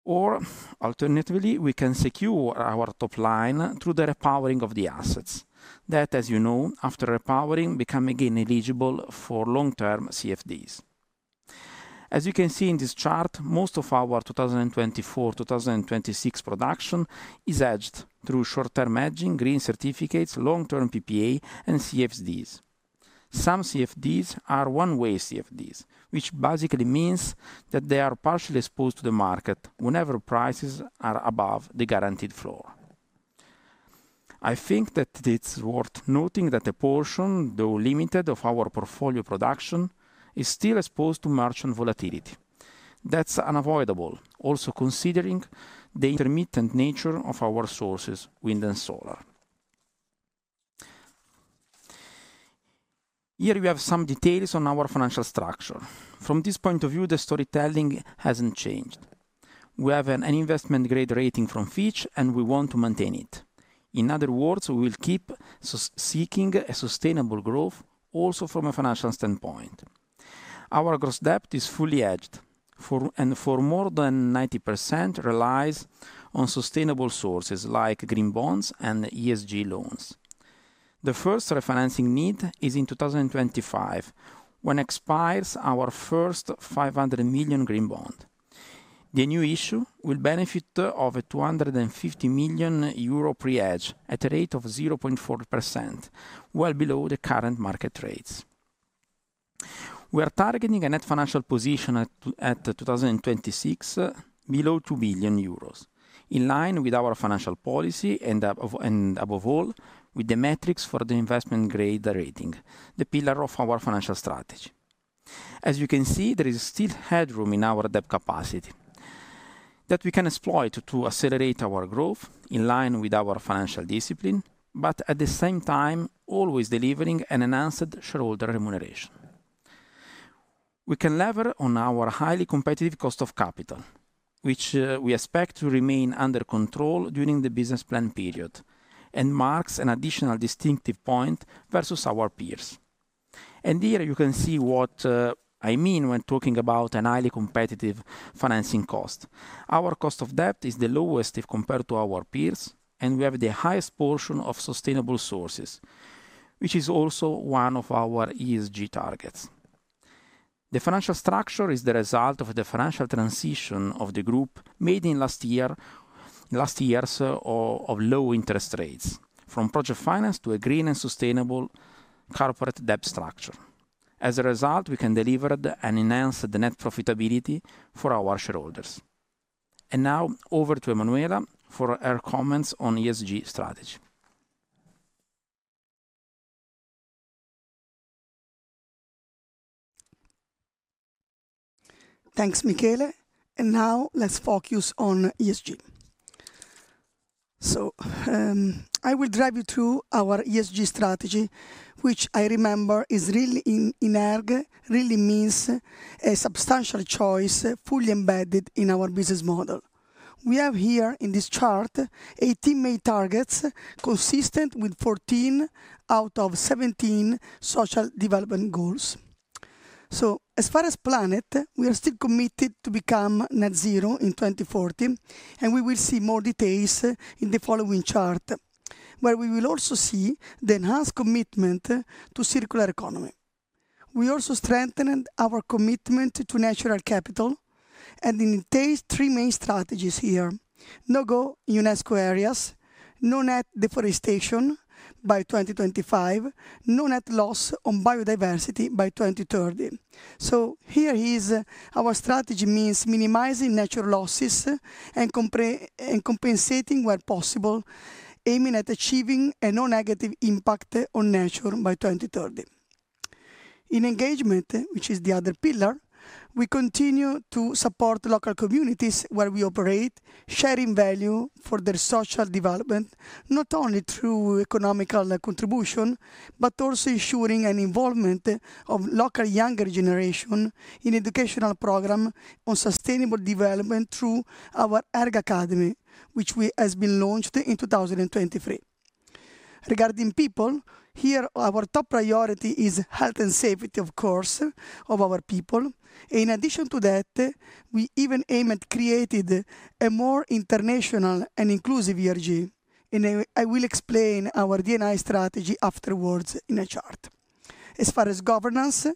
S4: Or alternatively, we can secure our top line through the repowering of the assets, that, as you know, after repowering, become again eligible for long-term CFDs. As you can see in this chart, most of our 2024, 2026 production is hedged through short-term hedging, green certificates, long-term PPA, and CFDs. Some CFDs are one-way CFDs, which basically means that they are partially exposed to the market whenever prices are above the guaranteed floor. I think that it's worth noting that a portion, though limited, of our portfolio production, is still exposed to merchant volatility. That's unavoidable, also considering the intermittent nature of our sources, wind and solar. Here we have some details on our financial structure. From this point of view, the storytelling hasn't changed. We have an investment-grade rating from Fitch, and we want to maintain it. In other words, we will keep seeking a sustainable growth also from a financial standpoint. Our gross debt is fully hedged, and for more than 90% relies on sustainable sources like green bonds and ESG loans. The first refinancing need is in 2025, when expires our first 500 million green bond. The new issue will benefit of a 250 million euro pre-hedge at a rate of 0.4%, well below the current market rates. We are targeting a net financial position at 2026, below 2 billion euros, in line with our financial policy and of and above all, with the metrics for the investment-grade rating, the pillar of our financial strategy. As you can see, there is still headroom in our debt capacity that we can exploit to accelerate our growth in line with our financial discipline, but at the same time, always delivering an enhanced shareholder remuneration. We can lever on our highly competitive cost of capital, which we expect to remain under control during the business plan period, and marks an additional distinctive point versus our peers. And here you can see what I mean when talking about a highly competitive financing cost. Our cost of debt is the lowest if compared to our peers, and we have the highest portion of sustainable sources, which is also one of our ESG targets. The financial structure is the result of the financial transition of the group made in last years of low interest rates, from project finance to a green and sustainable corporate debt structure. As a result, we can deliver and enhance the net profitability for our shareholders. And now over to Emanuela for her comments on ESG strategy.
S2: Thanks, Michele, and now let's focus on ESG. So, I will drive you through our ESG strategy, which I remember is really in, in ERG, really means a substantial choice, fully embedded in our business model. We have here in this chart, 18 main targets, consistent with 14 out of 17 social development goals. So as far as planet, we are still committed to become net zero in 2040, and we will see more details in the following chart, where we will also see the enhanced commitment to circular economy. We also strengthened our commitment to natural capital and it entails three main strategies here: no-go UNESCO areas, no net deforestation by 2025, no net loss on biodiversity by 2030. So here is our strategy means minimizing natural losses and compre... compensating where possible, aiming at achieving a no negative impact on nature by 2030. In engagement, which is the other pillar, we continue to support local communities where we operate, sharing value for their social development, not only through economic contribution, but also ensuring an involvement of local younger generation in educational program on sustainable development through our ERG Academy, which we has been launched in 2023. Regarding people, here, our top priority is health and safety, of course, of our people. In addition to that, we even aim at creating a more international and inclusive ERG, and I will explain our D&I strategy afterwards in a chart. As far as governance,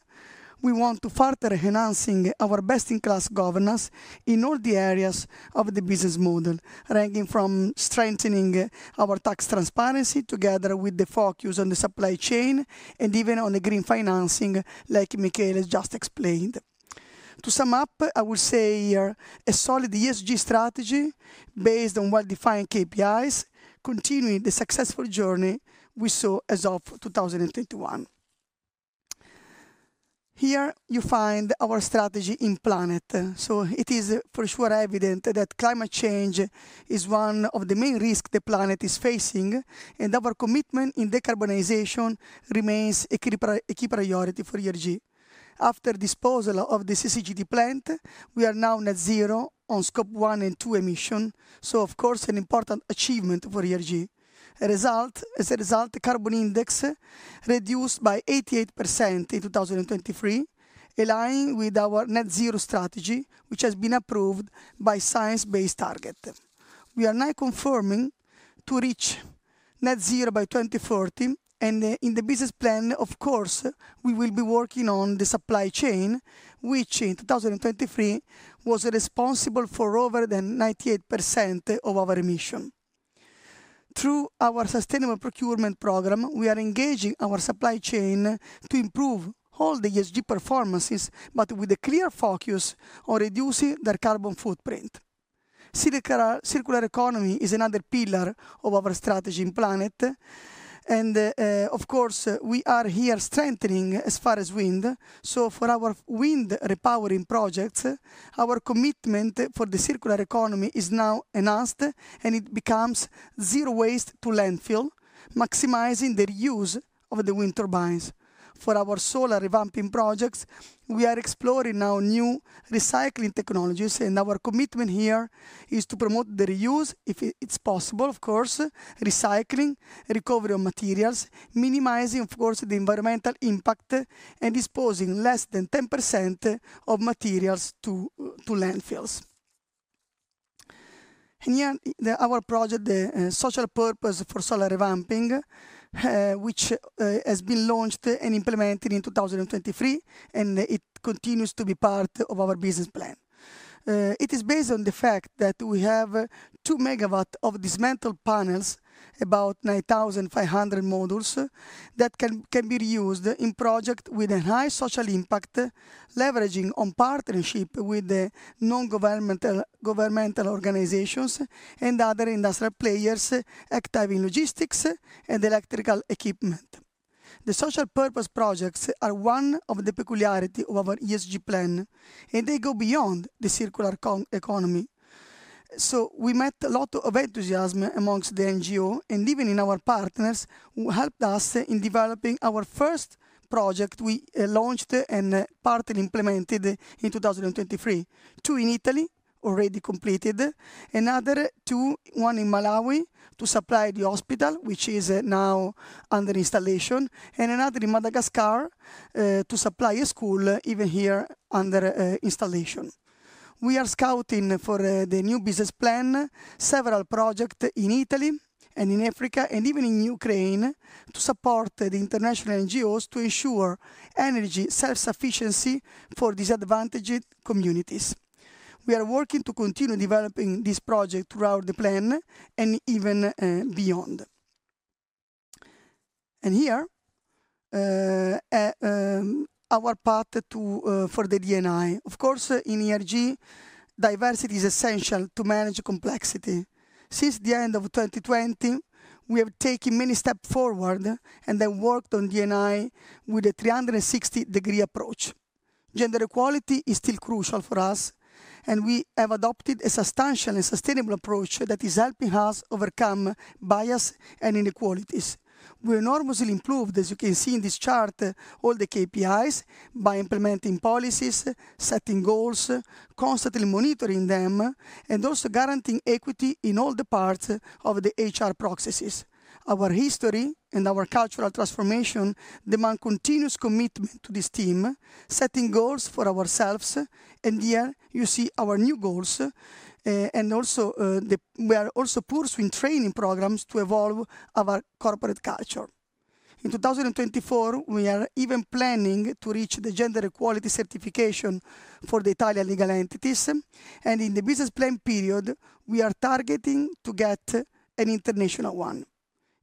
S2: we want to further enhancing our best-in-class governance in all the areas of the business model, ranging from strengthening our tax transparency together with the focus on the supply chain and even on the green financing, like Michele just explained. To sum up, I will say here, a solid ESG strategy based on well-defined KPIs, continuing the successful journey we saw as of 2021. Here you find our strategy in planet. So it is for sure evident that climate change is one of the main risks the planet is facing, and our commitment in decarbonization remains a key priority for ERG. After disposal of the CCGT plant, we are now net zero on Scope 1 and 2 emissions, so of course, an important achievement for ERG. A result... As a result, the carbon index reduced by 88% in 2023, aligning with our net zero strategy, which has been approved by Science Based Targets. We are now confirming to reach net zero by 2040, and in the business plan, of course, we will be working on the supply chain, which in 2023 was responsible for over than 98% of our emission. Through our sustainable procurement program, we are engaging our supply chain to improve all the ESG performances, but with a clear focus on reducing their carbon footprint. Circular economy is another pillar of our strategy in planet, and of course, we are here strengthening as far as wind. So for our wind repowering projects, our commitment for the circular economy is now enhanced, and it becomes zero waste to landfill, maximizing the reuse of the wind turbines. For our solar revamping projects, we are exploring now new recycling technologies, and our commitment here is to promote the reuse, if it's possible, of course, recycling, recovery of materials, minimizing, of course, the environmental impact and disposing less than 10% of materials to landfills. And here, our project, the social purpose for solar revamping, which has been launched and implemented in 2023, and it continues to be part of our business plan. It is based on the fact that we have 2 MW of dismantled panels, about 9,500 modules, that can be reused in projects with a high social impact, leveraging on partnerships with non-governmental organizations and other industrial players active in logistics and electrical equipment. The social purpose projects are one of the peculiarity of our ESG plan, and they go beyond the circular economy. So we met a lot of enthusiasm amongst the NGO, and even in our partners, who helped us in developing our first project we launched and partly implemented in 2023. Two in Italy, already completed. Another two, one in Malawi, to supply the hospital, which is now under installation, and another in Madagascar to supply a school, even here, under installation. We are scouting for the new business plan, several project in Italy and in Africa, and even in Ukraine, to support the international NGOs to ensure energy self-sufficiency for disadvantaged communities. We are working to continue developing this project throughout the plan and even beyond. And here, our path to for the D&I. Of course, in ERG, diversity is essential to manage complexity. Since the end of 2020, we have taken many steps forward and then worked on D&I with a 360-degree approach. Gender equality is still crucial for us, and we have adopted a substantial and sustainable approach that is helping us overcome bias and inequalities. We enormously improved, as you can see in this chart, all the KPIs by implementing policies, setting goals, constantly monitoring them, and also guaranteeing equity in all the parts of the HR processes. Our history and our cultural transformation demand continuous commitment to this team, setting goals for ourselves, and here you see our new goals. We are also pursuing training programs to evolve our corporate culture. In 2024, we are even planning to reach the gender equality certification for the Italian legal entities, and in the business plan period, we are targeting to get an international one.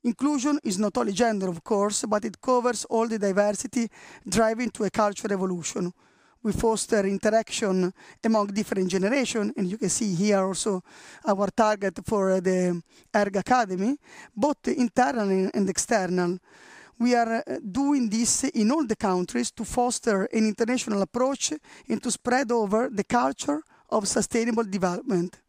S2: Inclusion is not only gender, of course, but it covers all the diversity driving to a cultural evolution. We foster interaction among different generation, and you can see here also our target for the ERG Academy, both internally and external. We are doing this in all the countries to foster an international approach and to spread over the culture of sustainable development.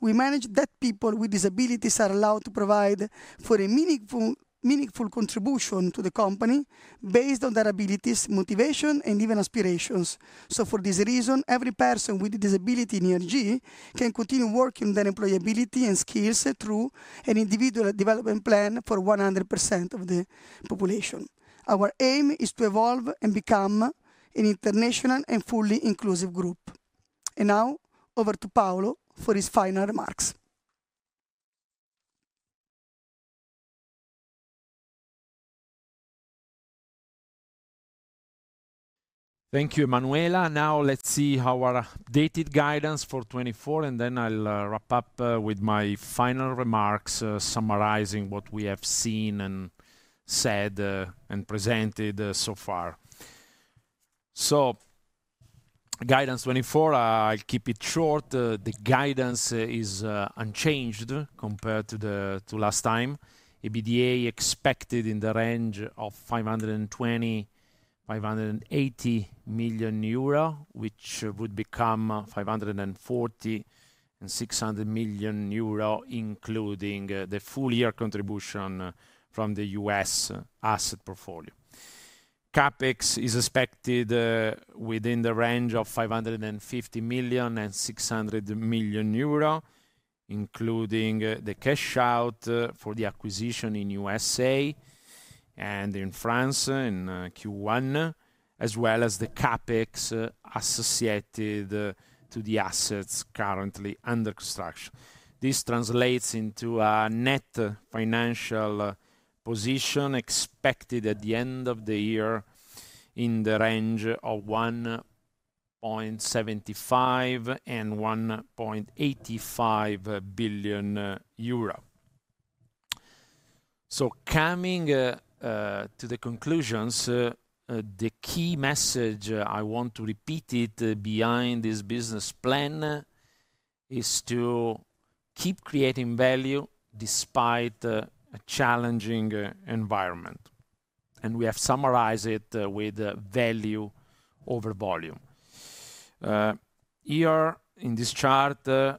S2: We manage that people with disabilities are allowed to provide for a meaningful, meaningful contribution to the company based on their abilities, motivation, and even aspirations. For this reason, every person with a disability in ERG can continue working their employability and skills through an individual development plan for 100% of the population. Our aim is to evolve and become an international and fully inclusive group. Now, over to Paolo for his final remarks.
S3: Thank you, Emanuela. Now, let's see our updated guidance for 2024, and then I'll wrap up with my final remarks summarizing what we have seen and said and presented so far. Guidance 2024, I'll keep it short. The guidance is unchanged compared to last time. EBITDA expected in the range of 520 million-580 million euro, which would become 540 million-600 million euro, including the full year contribution from the U.S. asset portfolio. CapEx is expected within the range of 550 million-600 million euro, including the cash out for the acquisition in USA and in France in Q1, as well as the CapEx associated to the assets currently under construction. This translates into a net financial position expected at the end of the year in the range of 1.75 billion-1.85 billion euro. So coming to the conclusions, the key message I want to repeat it behind this business plan is to keep creating value despite a challenging environment, and we have summarized it with value over volume. Here in this chart, there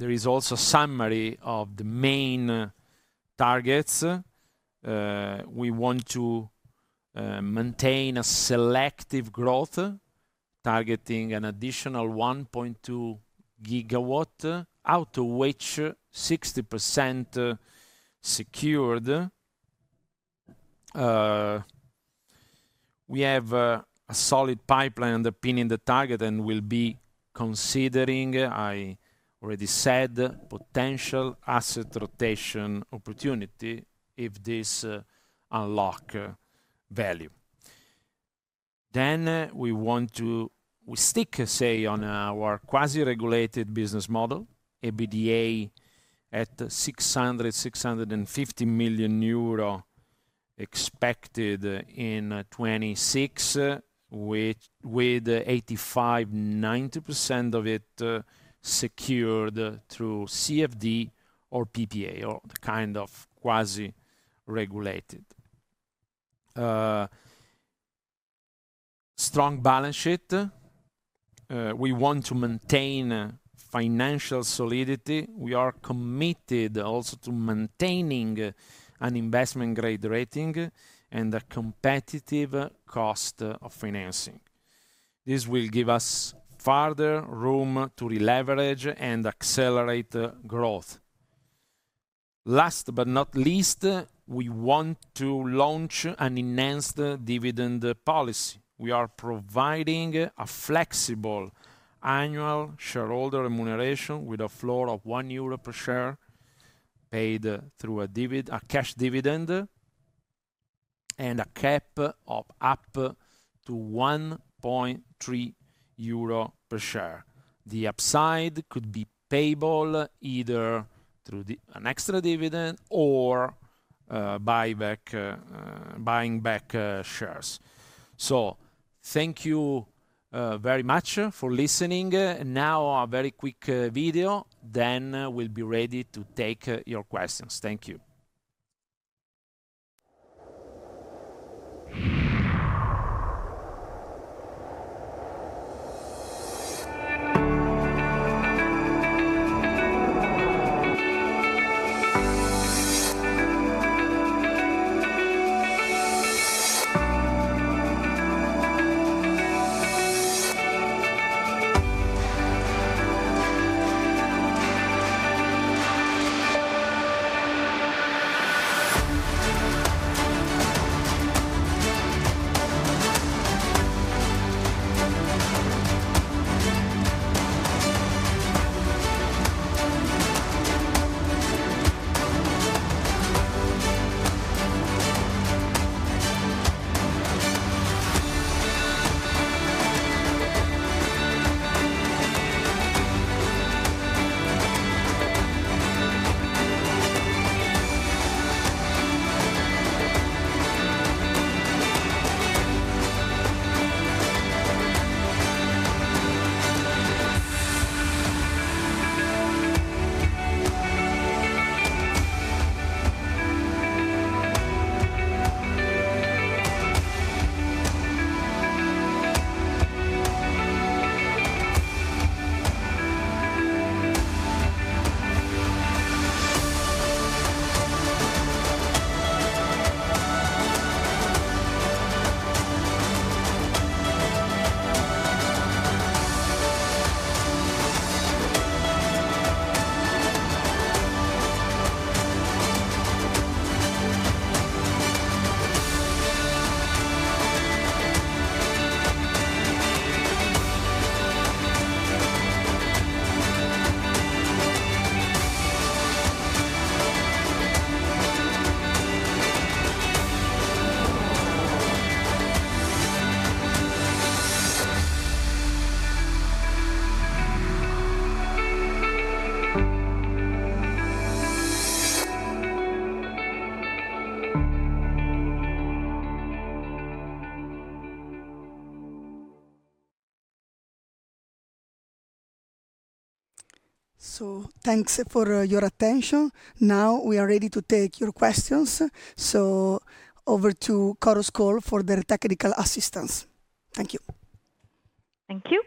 S3: is also summary of the main targets. We want to maintain a selective growth, targeting an additional 1.2 GW, out of which 60% secured. We have a solid pipeline underpinning the target and will be considering, I already said, potential asset rotation opportunity if this unlock value. Then we want to stick, say, on our quasi-regulated business model, EBITDA at EUR 600 million-EUR 650 million expected in 2026, with 85%-90% of it secured through CFD or PPA or the kind of quasi-regulated. Strong balance sheet. We want to maintain financial solidity. We are committed also to maintaining an investment-grade rating and a competitive cost of financing. This will give us further room to re-leverage and accelerate growth. Last but not least, we want to launch an enhanced dividend policy. We are providing a flexible annual shareholder remuneration with a floor of 1 euro per share, paid through a cash dividend, and a cap of up to 1.3 euro per share. The upside could be payable either through an extra dividend or buyback, buying back shares. Thank you very much for listening. Now a very quick video, then we'll be ready to take your questions. Thank you.
S2: Thanks for your attention. Now, we are ready to take your questions. Over to Chorus Call for their technical assistance. Thank you.
S1: Thank you.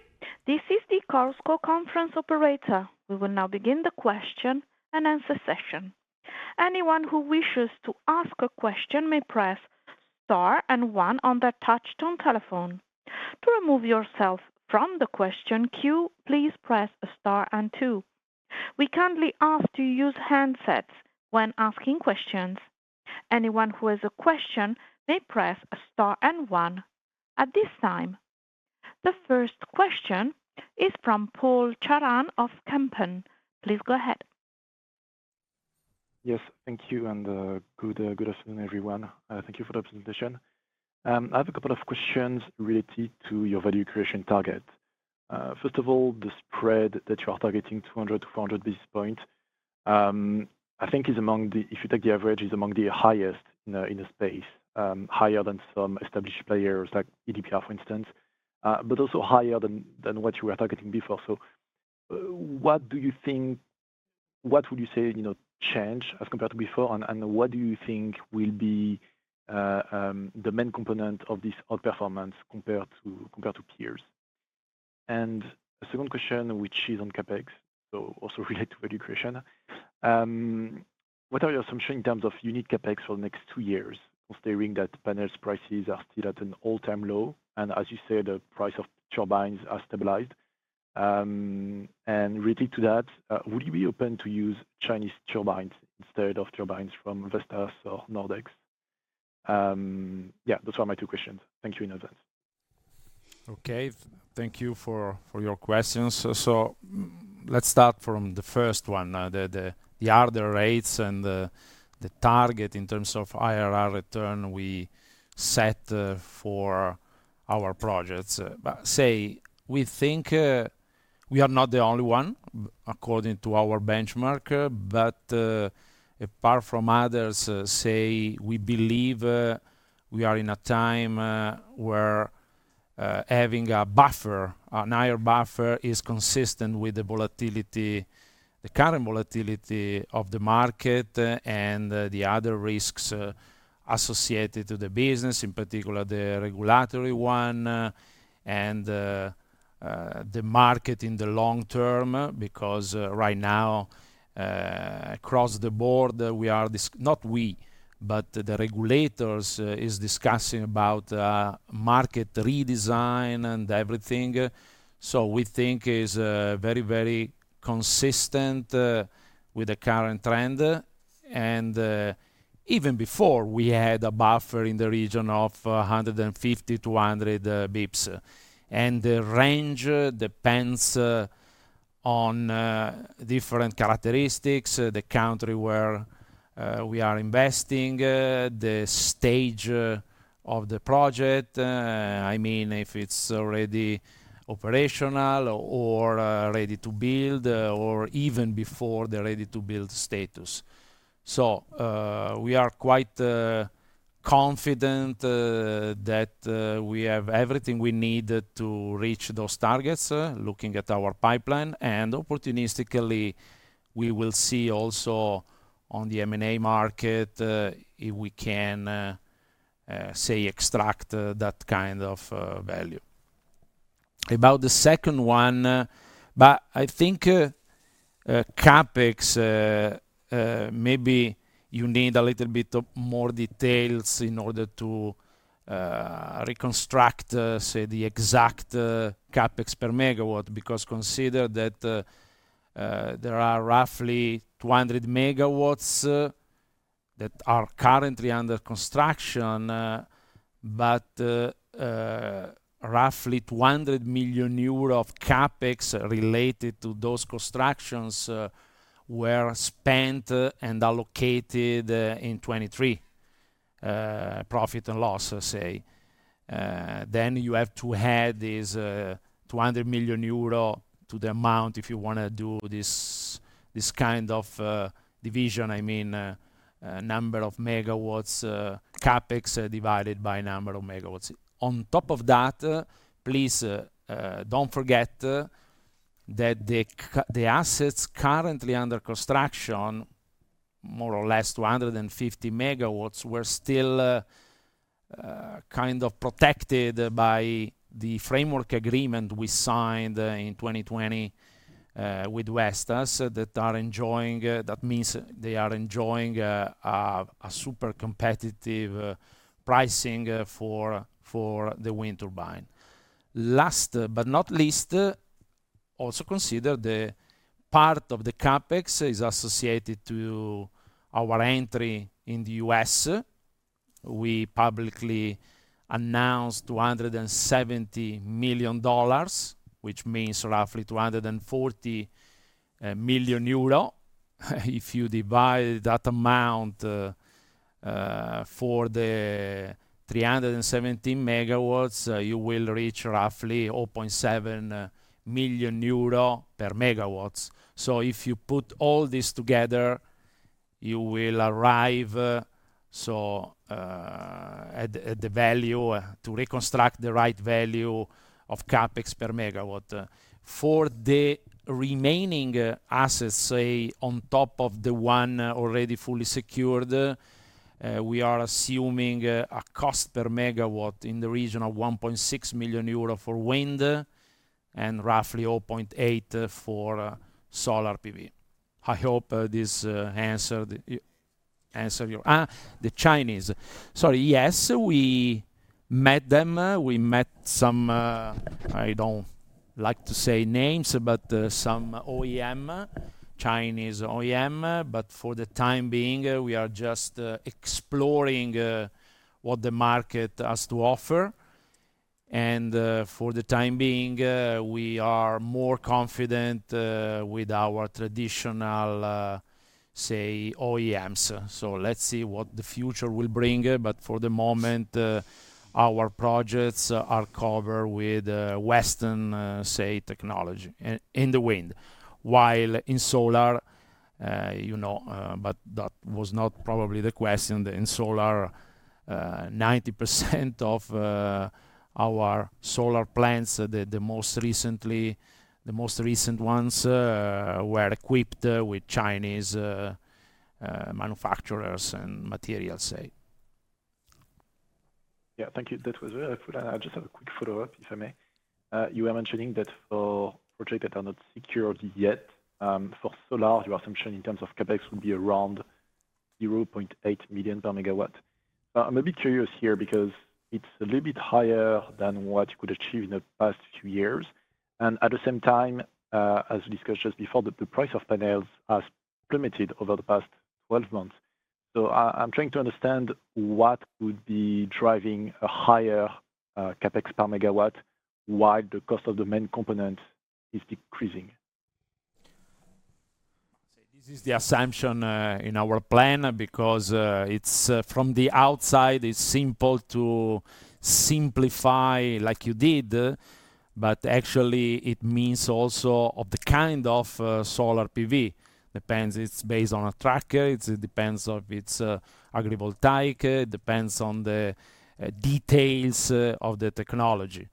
S1: This is the Chorus Call conference operator. We will now begin the question and answer session. Anyone who wishes to ask a question may press Star and One on their touchtone telephone. To remove yourself from the question queue, please press Star and Two. We kindly ask to use handsets when asking questions. Anyone who has a question may press Star and One. At this time, the first question is from Paul Chabran of Kempen. Please go ahead.
S6: Yes, thank you, and good afternoon, everyone. Thank you for the presentation. I have a couple of questions related to your value creation target. First of all, the spread that you are targeting, 200 basis points-400 basis points, I think is among the... If you take the average, is among the highest in the space. Higher than some established players, like EDPR, for instance, but also higher than what you were targeting before. So what do you think, what would you say, you know, change as compared to before? And what do you think will be the main component of this outperformance compared to peers? And the second question, which is on CapEx, so also related to value creation. What are your assumptions in terms of unique CapEx for the next two years, considering that panels prices are still at an all-time low, and as you said, the price of turbines are stabilized? And related to that, would you be open to use Chinese turbines instead of turbines from Vestas or Nordex? Yeah, those are my two questions. Thank you in advance.
S3: Okay. Thank you for your questions. So let's start from the first one, the harder rates and the target in terms of IRR return we set for our projects. But say, we think, we are not the only one, according to our benchmark, but apart from others, say, we believe, we are in a time where having a buffer, a higher buffer, is consistent with the volatility, the current volatility of the market, and the other risks associated to the business, in particular, the regulatory one, and the market in the long term, because right now, across the board, we are – not we, but the regulators is discussing about market redesign and everything. So we think it is very, very consistent with the current trend, and even before, we had a buffer in the region of 150 basis points-100 basis points. The range depends on different characteristics, the country where we are investing, the stage of the project. I mean, if it's already operational or ready to build or even before the ready-to-build status. So we are quite confident that we have everything we need to reach those targets, looking at our pipeline, and opportunistically, we will see also on the M&A market if we can say extract that kind of value. About the second one, but I think, CapEx, maybe you need a little bit more details in order to reconstruct, say, the exact CapEx per megawatt, because consider that there are roughly 200 MW that are currently under construction, but roughly EUR 200 million of CapEx related to those constructions were spent and allocated in 2023 profit and loss, I say. Then you have to add these 200 million euro to the amount if you wanna do this kind of division, I mean, number of MW CapEx divided by number of MW. On top of that, please, don't forget, that the assets currently under construction, more or less 250 MW, were still, kind of protected, by the framework agreement we signed, in 2020, with Vestas, that are enjoying... That means they are enjoying, a super competitive, pricing, for the wind turbine. Last but not least, also consider the part of the CapEx is associated to our entry in the U.S.. We publicly announced $270 million, which means roughly 240 million euro. If you divide that amount, for the 370 MW, you will reach roughly 0.7 million euro per MW. So if you put all this together, you will arrive at the value to reconstruct the right value of CapEx per megawatt. For the remaining assets, say, on top of the one already fully secured, we are assuming a cost per megawatt in the region of 1.6 million euro for wind and roughly 0.8 million for solar PV. I hope this answered your... The Chinese. Sorry, yes, we met them. We met some, I don't like to say names, but some OEM, Chinese OEM, but for the time being, we are just exploring what the market has to offer. And for the time being, we are more confident with our traditional, say, OEMs. So let's see what the future will bring, but for the moment, our projects are covered with Western, say, technology in the wind. While in solar, you know, but that was not probably the question. In solar, 90% of our solar plants, the most recent ones, were equipped with Chinese manufacturers and materials, say.
S6: Yeah. Thank you. That was very helpful. And I just have a quick follow-up, if I may. You were mentioning that for projects that are not secured yet, for solar, your assumption in terms of CapEx would be around 0.8 million per MW. I'm a bit curious here because it's a little bit higher than what you could achieve in the past few years, and at the same time, as discussed just before, the price of panels has plummeted over the past 12 months. So I'm trying to understand what would be driving a higher CapEx per MW, while the cost of the main component is decreasing.
S3: So this is the assumption in our plan, because it's... From the outside, it's simple to simplify, like you did, but actually, it means also of the kind of solar PV. Depends, it's based on a tracker, it depends on if it's agrivoltaic, depends on the details of the technology.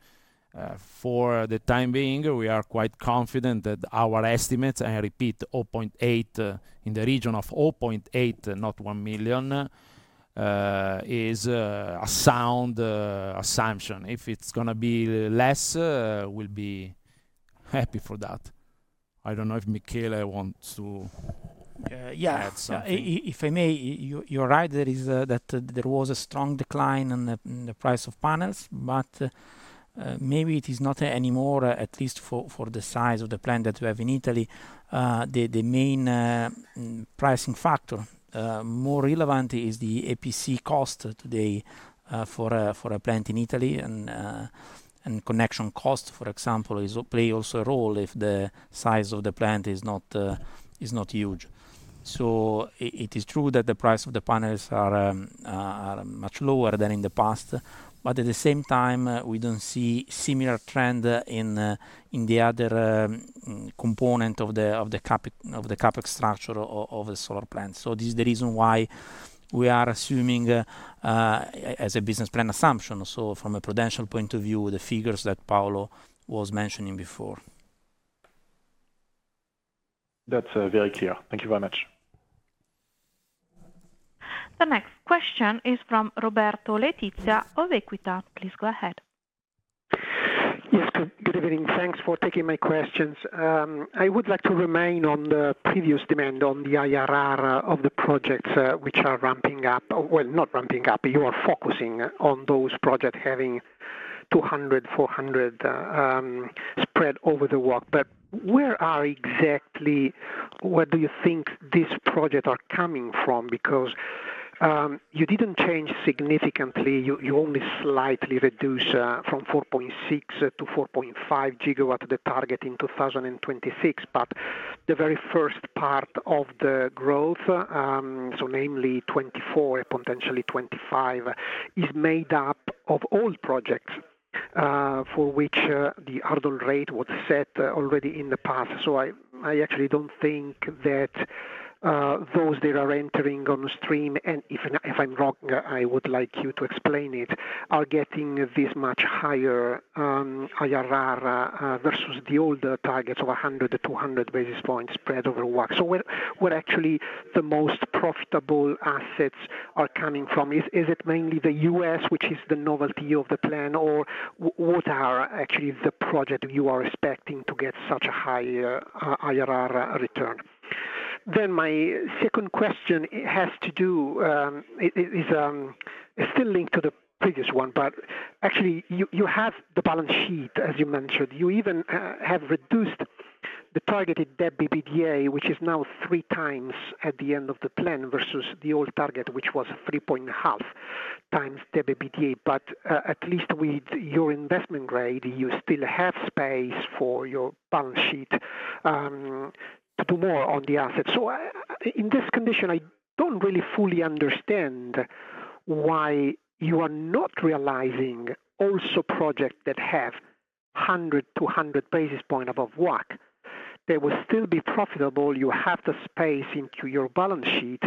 S3: For the time being, we are quite confident that our estimates, and I repeat, 0.8 million in the region of 0.8 million, not 1 million, is a sound assumption. If it's gonna be less, we'll be happy for that. I don't know if Michele wants to-
S4: Uh, yeah-
S3: -add something.
S4: If I may, you're right, there is a, that there was a strong decline in the, in the price of panels, but, maybe it is not anymore, at least for, for the size of the plant that we have in Italy. The, the main, pricing factor, more relevant is the EPC cost today, for a, for a plant in Italy, and, and connection costs, for example, is play also a role if the size of the plant is not, is not huge. So it is true that the price of the panels are, are much lower than in the past, but at the same time, we don't see similar trend, in, in the other, component of the, of the CapEx structure of the solar plant. So this is the reason why we are assuming, as a business plan assumption, so from a prudential point of view, the figures that Paolo was mentioning before.
S6: That's very clear. Thank you very much.
S1: The next question is from Roberto Letizia of Equita. Please go ahead.
S7: Yes, good evening. Thanks for taking my questions. I would like to remain on the previous demand on the IRR of the projects, which are ramping up. Well, not ramping up, you are focusing on those project, having 200, 400 spread over the WACC. But where exactly, where do you think these projects are coming from? Because, you didn't change significantly, you only slightly reduce, from 4.6 GW to 4.5 GW, the target in 2026. But the very first part of the growth, so namely 2024 and potentially 2025, is made up of old projects, for which, the hurdle rate was set already in the past. So I actually don't think that those that are entering on the stream, and if I'm wrong, I would like you to explain it, are getting this much higher IRR versus the older targets of 100-200 basis points spread over WACC. So where actually the most profitable assets are coming from, is it mainly the U.S., which is the novelty of the plan, or what are actually the projects you are expecting to get such a high IRR return? Then my second question, it has to do, it's still linked to the previous one, but actually you have the balance sheet, as you mentioned. You even have reduced the targeted debt EBITDA, which is now 3x at the end of the plan, versus the old target, which was 3.5x debt EBITDA. But at least with your investment grade, you still have space for your balance sheet to do more on the assets. So in this condition, I don't really fully understand why you are not realizing also project that have 100 basis points-200 basis points above WACC. They will still be profitable, you have the space into your balance sheet.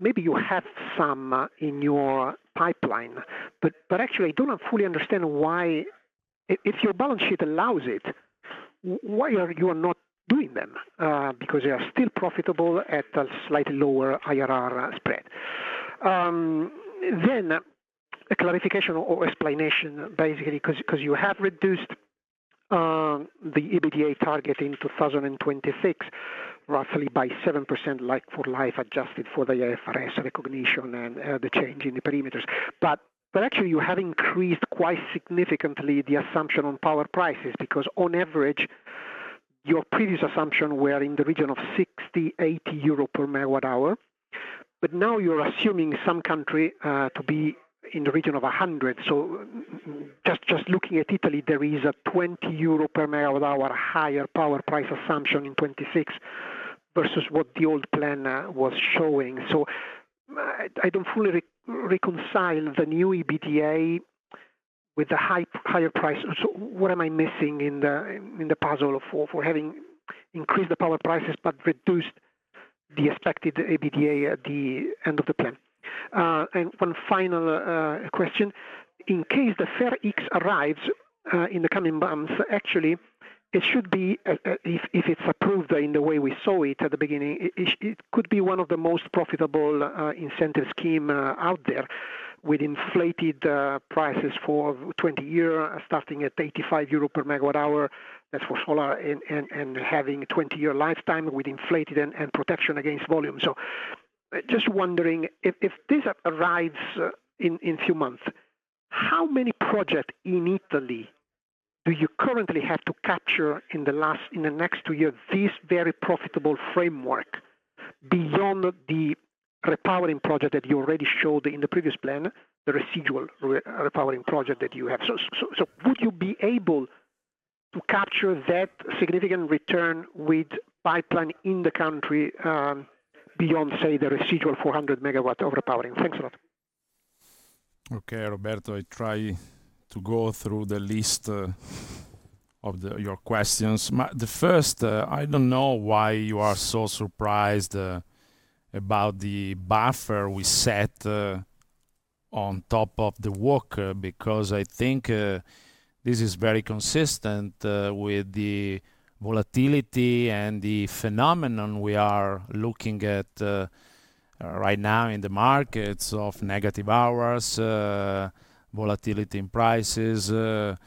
S7: Maybe you have some in your pipeline, but actually, I do not fully understand why, if your balance sheet allows it, why are you not doing them? Because they are still profitable at a slightly lower IRR spread. Then a clarification or explanation, basically, 'cause, 'cause you have reduced the EBITDA target in 2026, roughly by 7%, like for life, adjusted for the IFRS recognition and the change in the parameters. But, but actually, you have increased quite significantly the assumption on power prices, because on average, your previous assumption were in the region of 60-80 euro/MWh, but now you're assuming some country to be in the region of 100. So just, just looking at Italy, there is a 20 euro/MWh higher power price assumption in 2026 versus what the old plan was showing. So I, I don't fully reconcile the new EBITDA with the higher price. So what am I missing in the puzzle for having increased the power prices but reduced the expected EBITDA at the end of the plan? And one final question: in case the FER X arrives in the coming months, actually, it should be, if it's approved in the way we saw it at the beginning, it could be one of the most profitable incentive scheme out there, with inflated prices for 20-year, starting at 85 euro per MWh. That's for solar and having a 20-year lifetime with inflated and protection against volume. Just wondering, if this arrives in a few months, how many projects in Italy do you currently have to capture in the next two years this very profitable framework, beyond the repowering project that you already showed in the previous plan, the residual repowering project that you have? Would you be able to capture that significant return with pipeline in the country, beyond, say, the residual 400 MW repowering? Thanks a lot.
S3: Okay, Roberto, I try to go through the list of your questions. The first, I don't know why you are so surprised about the buffer we set on top of the WACC, because I think this is very consistent with the volatility and the phenomenon we are looking at right now in the markets of negative hours, volatility in prices, and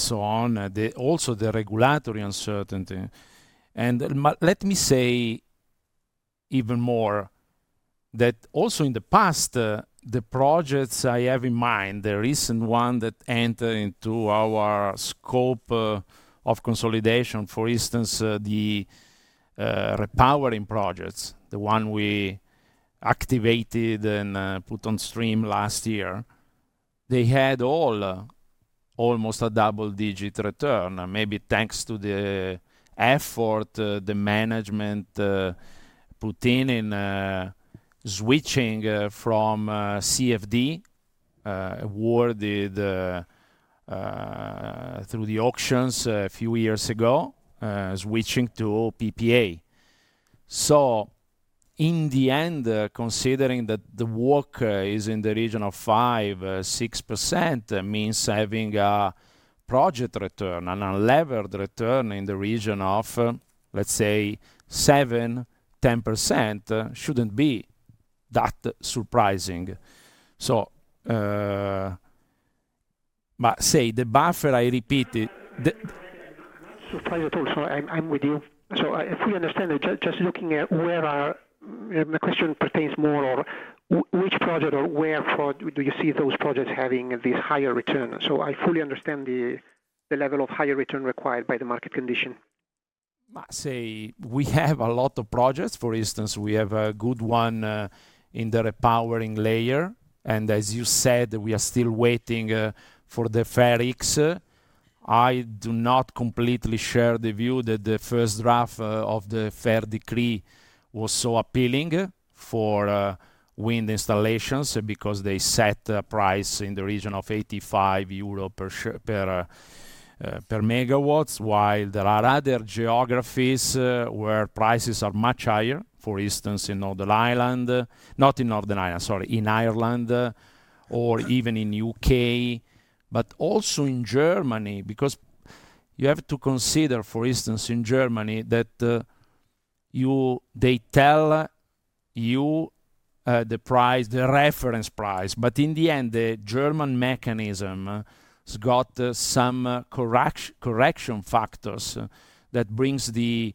S3: so on. Also the regulatory uncertainty. And let me say even more, that also in the past the projects I have in mind, the recent one that enter into our scope of consolidation, for instance, the repowering projects, the one we activated and put on stream last year, they had all almost a double-digit return. Maybe thanks to the effort, the management put in, in switching from CFD awarded through the auctions a few years ago, switching to PPA. So in the end, considering that the WACC is in the region of 5%-6%, that means having a project return on-- a levered return in the region of, let's say, 7%-10%, shouldn't be that surprising. So, but say, the buffer, I repeat, the-
S7: Not surprised at all. So I'm with you. So if we understand it, just looking at where the question pertains more on which project or where do you see those projects having the higher return? So I fully understand the level of higher return required by the market condition.
S3: Say, we have a lot of projects, for instance, we have a good one in the repowering layer, and as you said, we are still waiting for the FER X. I do not completely share the view that the first draft of the FER decree was so appealing for wind installations, because they set a price in the region of 85 euro per MWh, while there are other geographies where prices are much higher. For instance, in Northern Ireland... Not in Northern Ireland, sorry, in Ireland, or even in U.K., but also in Germany, because you have to consider, for instance, in Germany, that, they tell you, the price, the reference price, but in the end, the German mechanism, has got some correction factors, that brings the,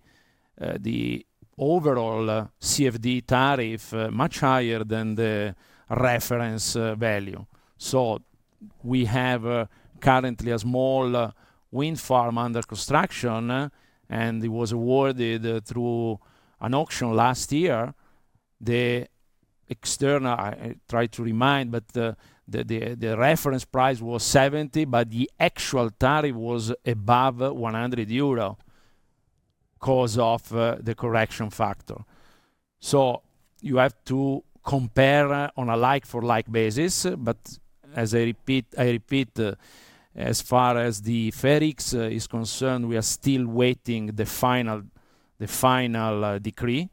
S3: the overall, CFD tariff, much higher than the reference, value. So we have, currently a small, wind farm under construction, and it was awarded, through an auction last year. The external—I try to remind, but the reference price was 70, but the actual tariff was above 100 euro, because of, the correction factor. So you have to compare on a like-for-like basis, but as I repeat, I repeat, as far as the FER X is concerned, we are still waiting the final, the final decree,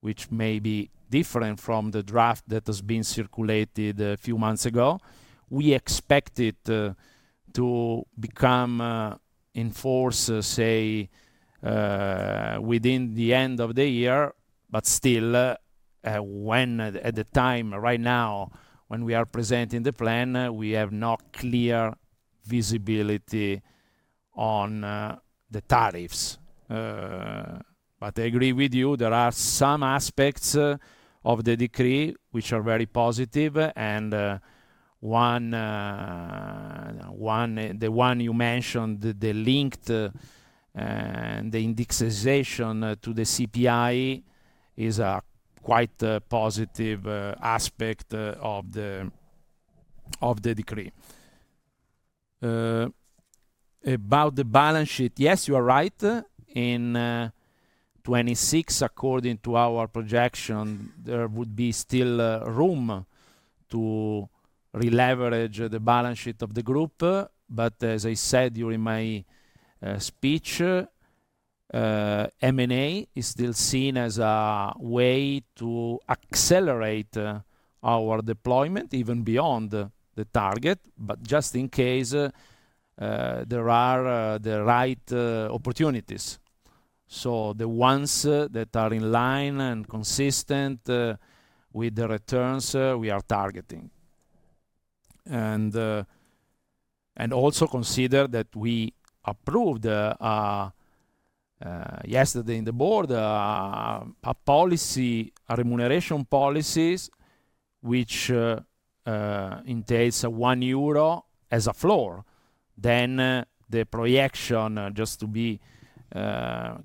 S3: which may be different from the draft that has been circulated a few months ago. We expect it to become in force, say, within the end of the year. But still, when, at the time, right now, when we are presenting the plan, we have no clear visibility on the tariffs. But I agree with you, there are some aspects of the decree, which are very positive. And one, one... the one you mentioned, the, the linked, the indexation to the CPI, is a quite positive aspect of the decree. About the balance sheet, yes, you are right. In 2026, according to our projection, there would be still room to releverage the balance sheet of the group, but as I said during my speech, M&A is still seen as a way to accelerate our deployment even beyond the target, but just in case there are the right opportunities. So the ones that are in line and consistent with the returns we are targeting. And also consider that we approved yesterday in the board a policy, a remuneration policies, which entails 1 euro as a floor. Then, the projection just to be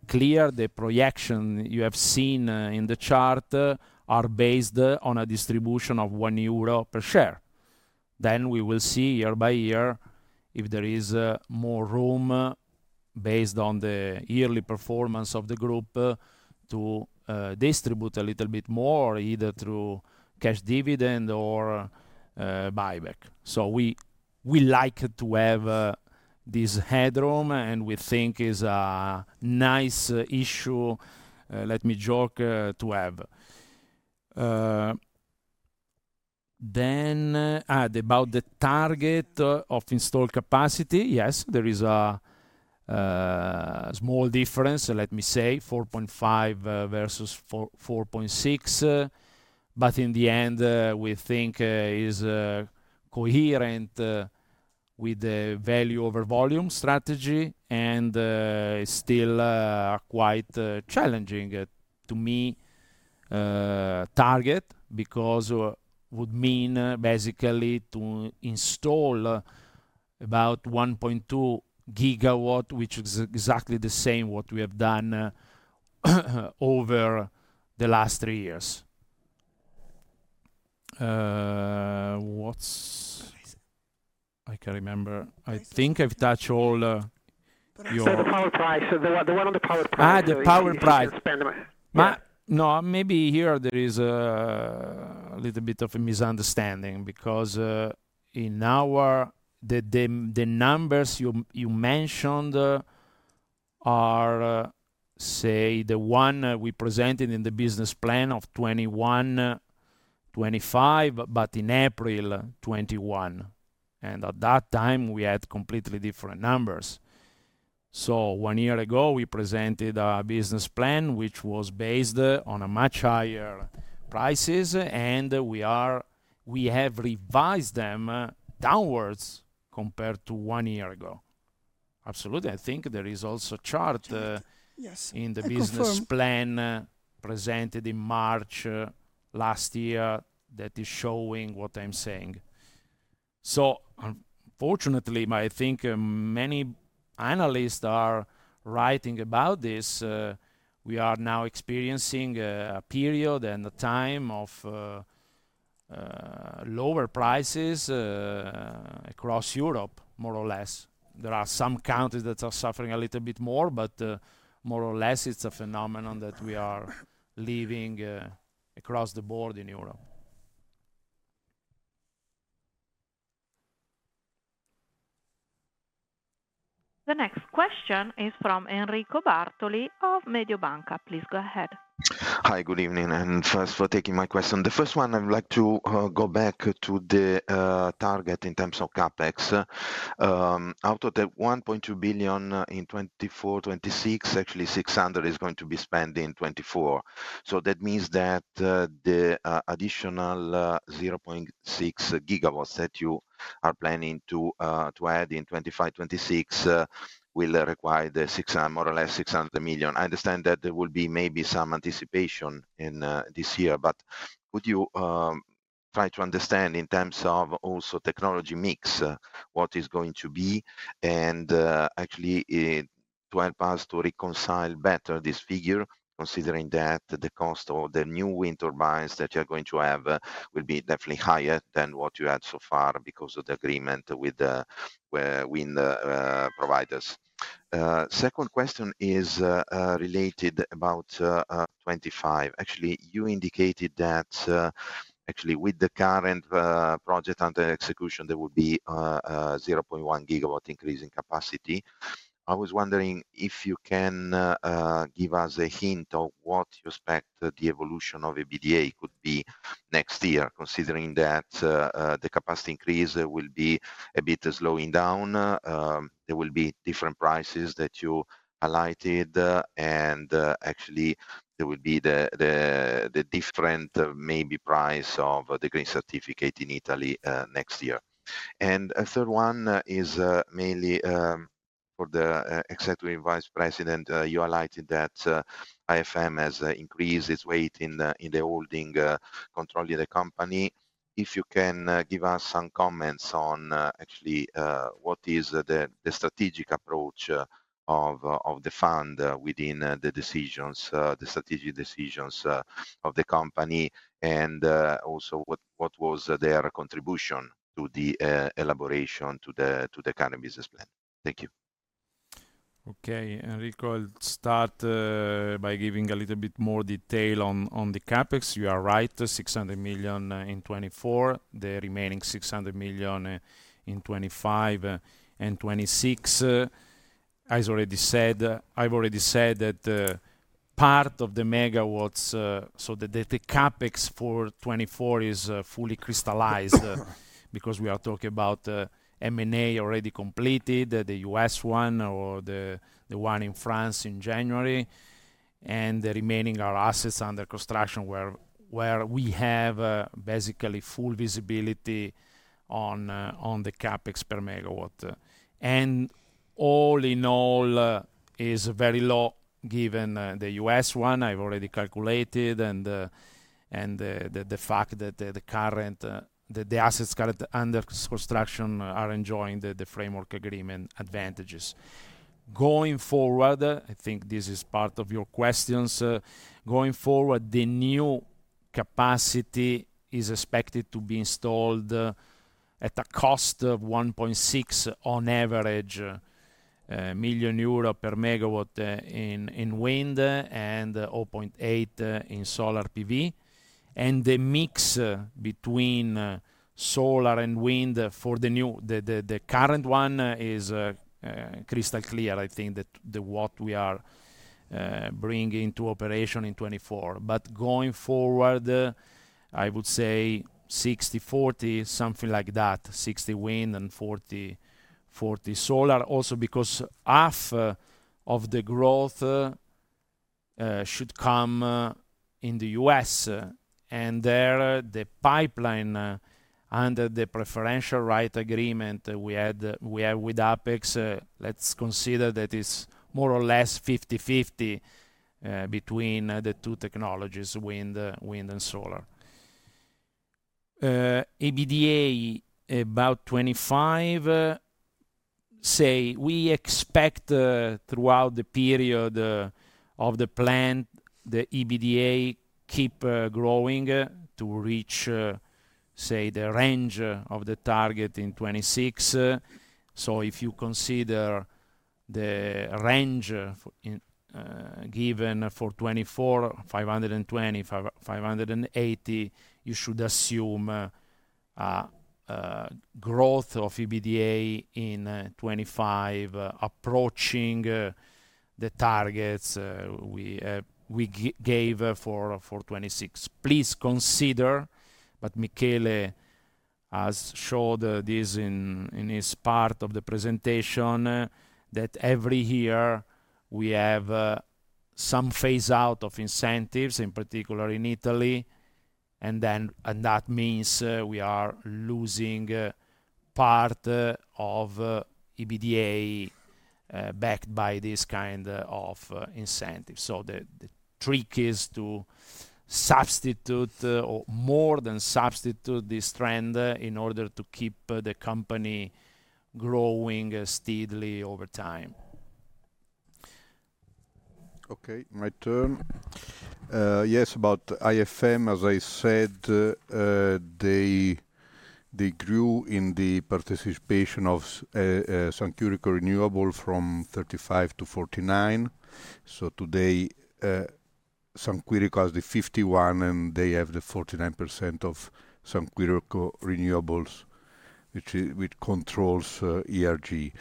S3: clear, the projection you have seen in the chart are based on a distribution of 1 euro per share. Then we will see year by year, if there is more room based on the yearly performance of the group to distribute a little bit more, either through cash dividend or buyback. So we, we like to have this headroom, and we think is a nice issue, let me joke, to have. Then, about the target of installed capacity, yes, there is a small difference, let me say, 4.5 versus 4-4.6. But in the end, we think is coherent with the value over volume strategy, and still quite challenging, to me, target. Because would mean basically to install about 1.2 GW, which is exactly the same what we have done over the last three years. What's—I can't remember. I think I've touched all, your—
S7: So the power price, the one on the power price-
S3: Ah, the power price.
S7: Spend the m-
S3: No, maybe here there is a little bit of a misunderstanding, because in our the numbers you mentioned are, say, the ones we presented in the business plan of 2021-2025, but in April 2021, and at that time, we had completely different numbers. So one year ago, we presented a business plan, which was based on much higher prices, and we have revised them downwards compared to one year ago. Absolutely. I think there is also a chart.
S7: Yes, I confirm....
S3: in the business plan, presented in March, last year, that is showing what I'm saying. So unfortunately, but I think, many analysts are writing about this, we are now experiencing, a period and a time of, lower prices, across Europe, more or less. There are some countries that are suffering a little bit more, but, more or less, it's a phenomenon that we are living, across the board in Europe.
S1: The next question is from Enrico Bartoli of Mediobanca. Please go ahead.
S8: Hi, good evening, and thanks for taking my question. The first one, I would like to go back to the target in terms of CapEx. Out of the 1.2 billion in 2024-2026, actually 600 million is going to be spent in 2024. So that means that the additional 0.6 GW that you are planning to add in 2025-2026 will require the 600 million more or less 600 million. I understand that there will be maybe some anticipation in this year, but could you try to understand in terms of also technology mix what is going to be, and actually to help us to reconcile better this figure, considering that the cost of the new wind turbines that you are going to have will be definitely higher than what you had so far because of the agreement with the wind providers. Second question is related about 25. Actually, you indicated that actually with the current project under execution, there will be 0.1 GW increase in capacity. I was wondering if you can give us a hint of what you expect the evolution of EBITDA could be next year, considering that the capacity increase will be a bit slowing down, there will be different prices that you highlighted, and actually, there will be the different maybe price of the green certificate in Italy next year. And a third one is mainly for the executive vice president. You highlighted that IFM has increased its weight in the holding control of the company. If you can give us some comments on, actually, what is the strategic approach of the fund within the strategic decisions of the company, and also, what was their contribution to the elaboration to the current business plan? Thank you.
S3: Okay, Enrico, I'll start by giving a little bit more detail on the CapEx. You are right, 600 million in 2024, the remaining 600 million in 2025 and 2026. As already said, I've already said that part of the MW, so the CapEx for 2024 is fully crystallized, because we are talking about M&A already completed, the U.S. one or the one in France in January, and the remaining are assets under construction, where we have basically full visibility on the CapEx per megawatt. And all in all is very low, given the U.S. one, I've already calculated, and the fact that the current assets under construction are enjoying the framework agreement advantages. Going forward, I think this is part of your questions. Going forward, the new capacity is expected to be installed at a cost of 1.6 million euro per megawatt on average in wind and 0.8 in solar PV. And the mix between solar and wind for the new, the current one is crystal clear. I think that what we are bringing to operation in 2024. But going forward, I would say 60/40, something like that. 60 wind and 40 solar. Also because half of the growth should come in the U.S., and there the pipeline under the preferential right agreement we have with Apex, let's consider that is more or less 50/50 between the two technologies, wind and solar. EBITDA about 25, say, we expect throughout the period of the plan, the EBITDA keep growing to reach say the range of the target in 2026. So if you consider the range given for 2024, 525 million-580 million, you should assume growth of EBITDA in 2025 approaching the targets we gave for 2026. Please consider, but Michele has showed this in his part of the presentation, that every year we have some phase out of incentives, in particular in Italy, and then... And that means we are losing part of EBITDA backed by this kind of incentive. So the trick is to substitute or more than substitute this trend in order to keep the company growing steadily over time.
S5: Okay, my turn. Yes, about IFM, as I said, they, they grew in the participation of San Quirico Renewables from 35 to 49. So today, San Quirico has the 51, and they have the 49% of SQ Renewables, which i- which controls ERG.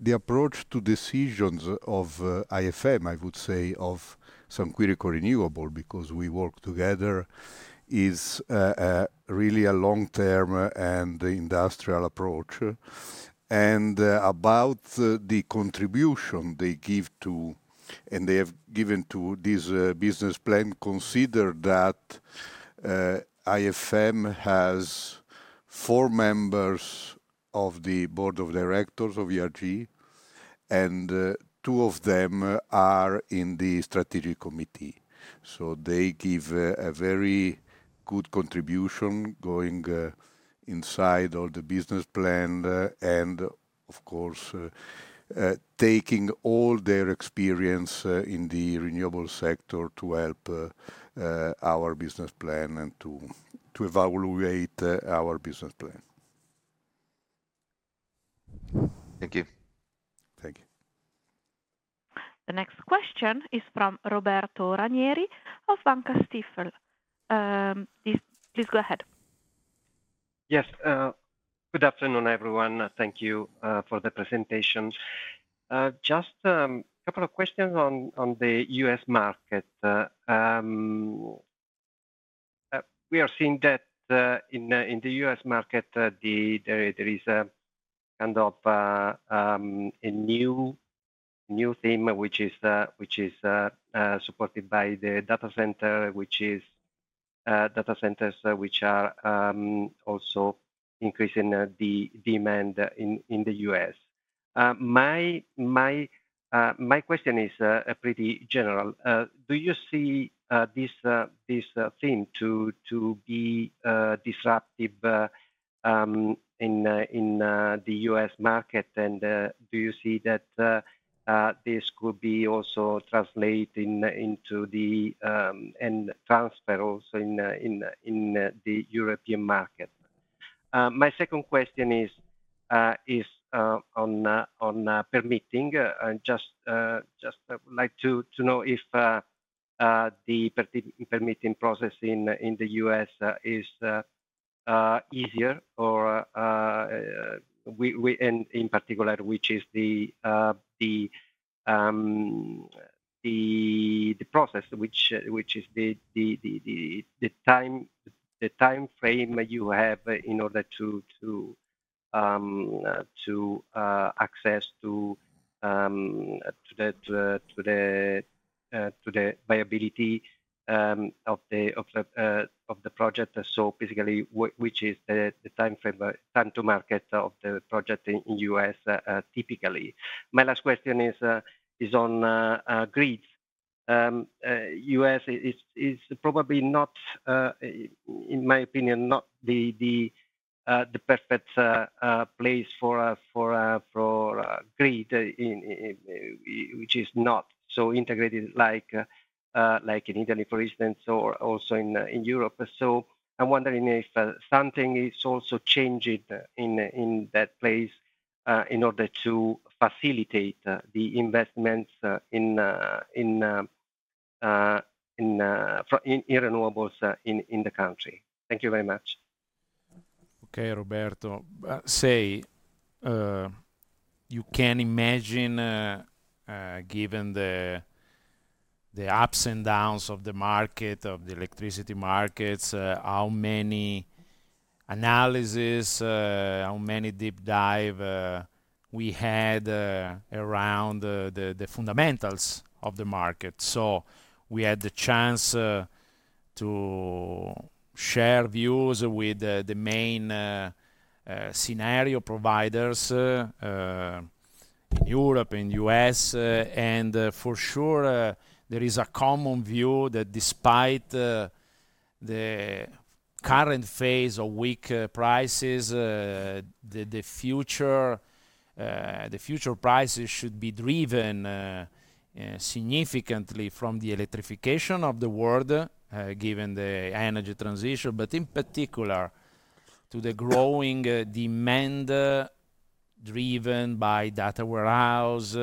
S5: The approach to decisions of IFM, I would say, of San Quirico Renewables, because we work together, is really a long-term and industrial approach. And about the contribution they give to, and they have given to this business plan, consider that IFM has four members of the board of directors of ERG, and two of them are in the strategic committee. So they give a very good contribution going inside of the business plan, and of course, taking all their experience in the renewable sector to help our business plan and to evaluate our business plan.
S3: Thank you.
S5: Thank you.
S1: The next question is from Roberto Ranieri of Banca Stifel. Please, please go ahead.
S9: Yes, good afternoon, everyone. Thank you for the presentation. Just a couple of questions on the U.S. market. We are seeing that in the U.S. market, there is a kind of a new theme, which is supported by the data center, which is data centers, which are also increasing the demand in the U.S. My question is pretty general. Do you see this theme to be disruptive in the U.S. market? And do you see that this could be also translating into and transfer also in the European market? My second question is on permitting. Just I would like to know if the permitting process in the U.S. is easier or-- and in particular, which is the process which is the timeframe you have in order to access to the viability of the project. So basically, which is the timeframe, time to market of the project in the U.S. typically? My last question is on grid. U.S. is probably not, in my opinion, not the... The perfect place for a grid in which is not so integrated like in Italy, for instance, or also in Europe. So I'm wondering if something is also changing in that place in order to facilitate the investments in renewables in the country. Thank you very much.
S3: Okay, Roberto. Say, you can imagine, given the ups and downs of the market, of the electricity markets, how many analysis, how many deep dive, we had, around the fundamentals of the market. So we had the chance to share views with the main scenario providers, in Europe, in US. And, for sure, there is a common view that despite the current phase of weak prices, the future prices should be driven significantly from the electrification of the world, given the energy transition, but in particular, to the growing demand driven by data warehouse,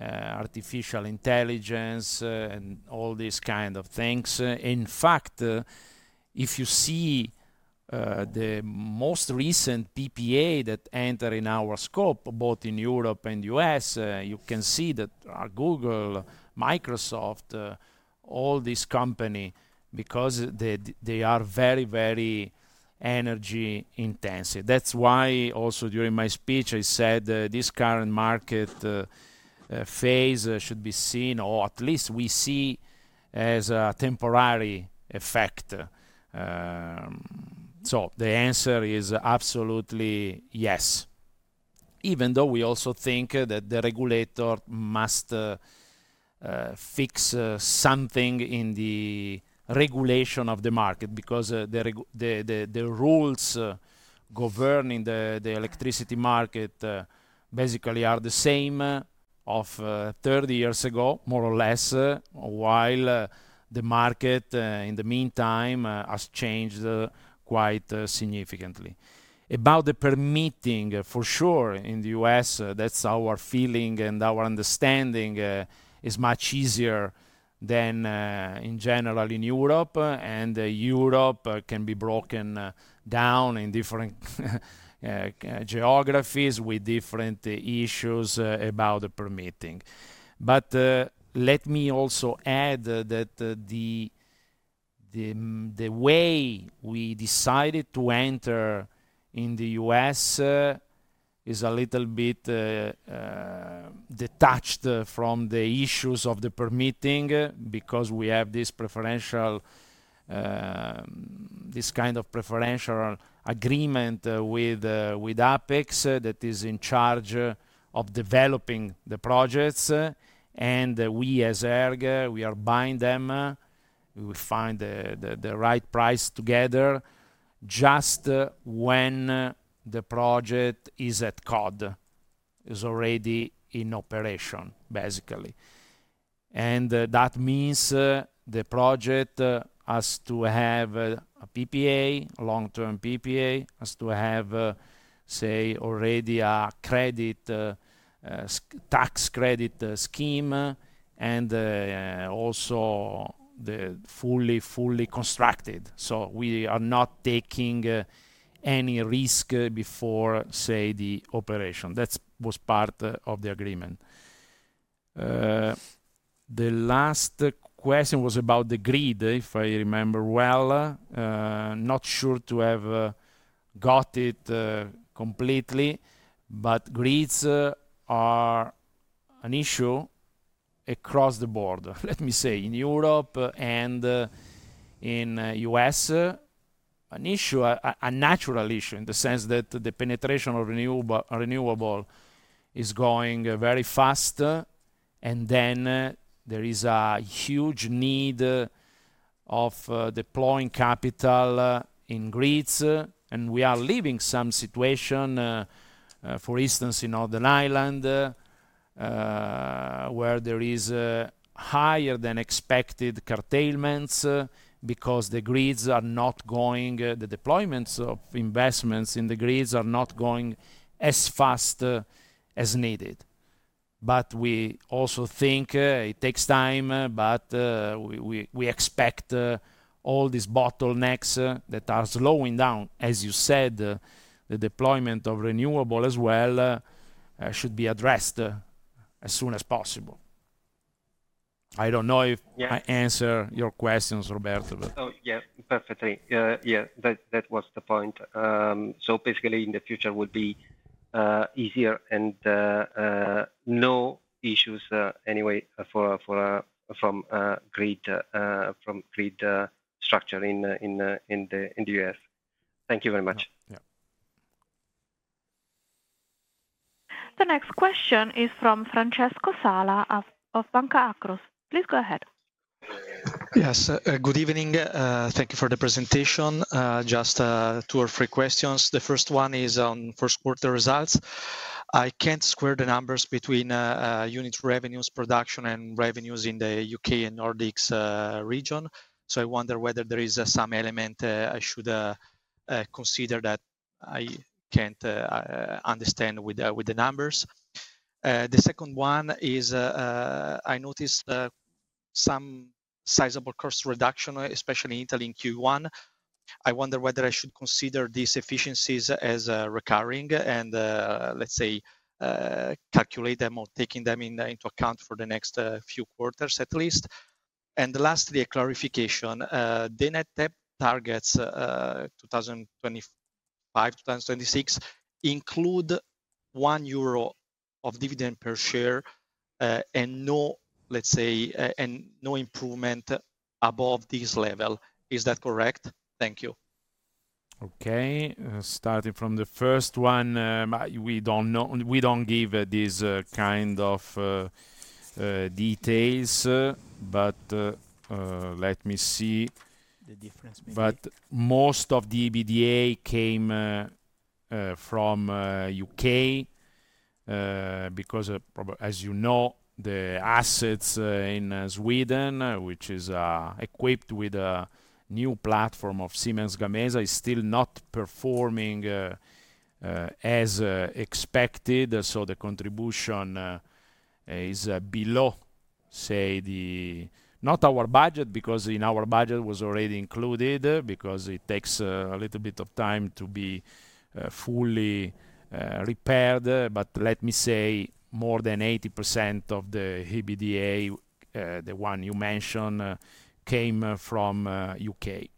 S3: artificial intelligence, and all these kind of things. In fact, if you see the most recent PPA that enter in our scope, both in Europe and U.S., you can see that Google, Microsoft, all these company, because they, they are very, very energy intensive. That's why also during my speech, I said this current market phase should be seen, or at least we see as a temporary effect. So the answer is absolutely yes, even though we also think that the regulator must fix something in the regulation of the market. Because the rules governing the electricity market basically are the same of 30 years ago, more or less, while the market in the meantime has changed quite significantly. About the permitting, for sure, in the U.S., that's our feeling and our understanding, is much easier than, in general, in Europe. Europe can be broken down in different geographies with different issues about the permitting. But let me also add that the way we decided to enter in the U.S. is a little bit detached from the issues of the permitting because we have this preferential, this kind of preferential agreement with Apex that is in charge of developing the projects. And we, as ERG, we are buying them. We will find the right price together, just when the project is at COD, is already in operation, basically. That means the project has to have a PPA, a long-term PPA, has to have, say, already a credit, tax credit scheme, and also the fully constructed. So we are not taking any risk before, say, the operation. That's was part of the agreement. The last question was about the grid, if I remember well. Not sure to have got it completely, but grids are an issue across the board, let me say, in Europe and in US. An issue, a natural issue, in the sense that the penetration of renewable is growing very fast, and then there is a huge need of deploying capital in grids, and we are living some situation, for instance, in Northern Ireland, where there is higher than expected curtailments, because the grids are not going... the deployments of investments in the grids are not going as fast as needed. But we also think it takes time, but we expect all these bottlenecks that are slowing down, as you said, the deployment of renewable as well should be addressed as soon as possible. I don't know if-
S9: Yeah...
S3: I answer your questions, Roberto.
S9: Oh, yeah, perfectly. Yeah, that was the point. So basically in the future would be easier and no issues anyway from grid structure in the U.S.. Thank you very much.
S3: Yeah....
S1: The next question is from Francesco Sala of Banca Akros. Please go ahead.
S10: Yes, good evening. Thank you for the presentation. Just two or three questions. The first one is on first quarter results. I can't square the numbers between unit revenues, production, and revenues in the U.K. and Nordics region, so I wonder whether there is some element I should consider that I can't understand with the numbers. The second one is I noticed some sizable cost reduction, especially in Italy, in Q1. I wonder whether I should consider these efficiencies as recurring and let's say calculate them or taking them into account for the next few quarters, at least. And lastly, a clarification. The net debt targets, 2025, 2026, include 1 euro of dividend per share, and no, let's say, and no improvement above this level. Is that correct? Thank you.
S3: Okay. Starting from the first one, we don't know... We don't give these kind of details, but let me see.
S4: The difference maybe.
S3: But most of the EBITDA came from U.K. because of pro- as you know, the assets in Sweden, which is equipped with a new platform of Siemens Gamesa, is still not performing as expected. So the contribution is below, say, the... Not our budget, because in our budget was already included, because it takes a little bit of time to be fully repaired. But let me say, more than 80% of the EBITDA, the one you mentioned, came from U.K..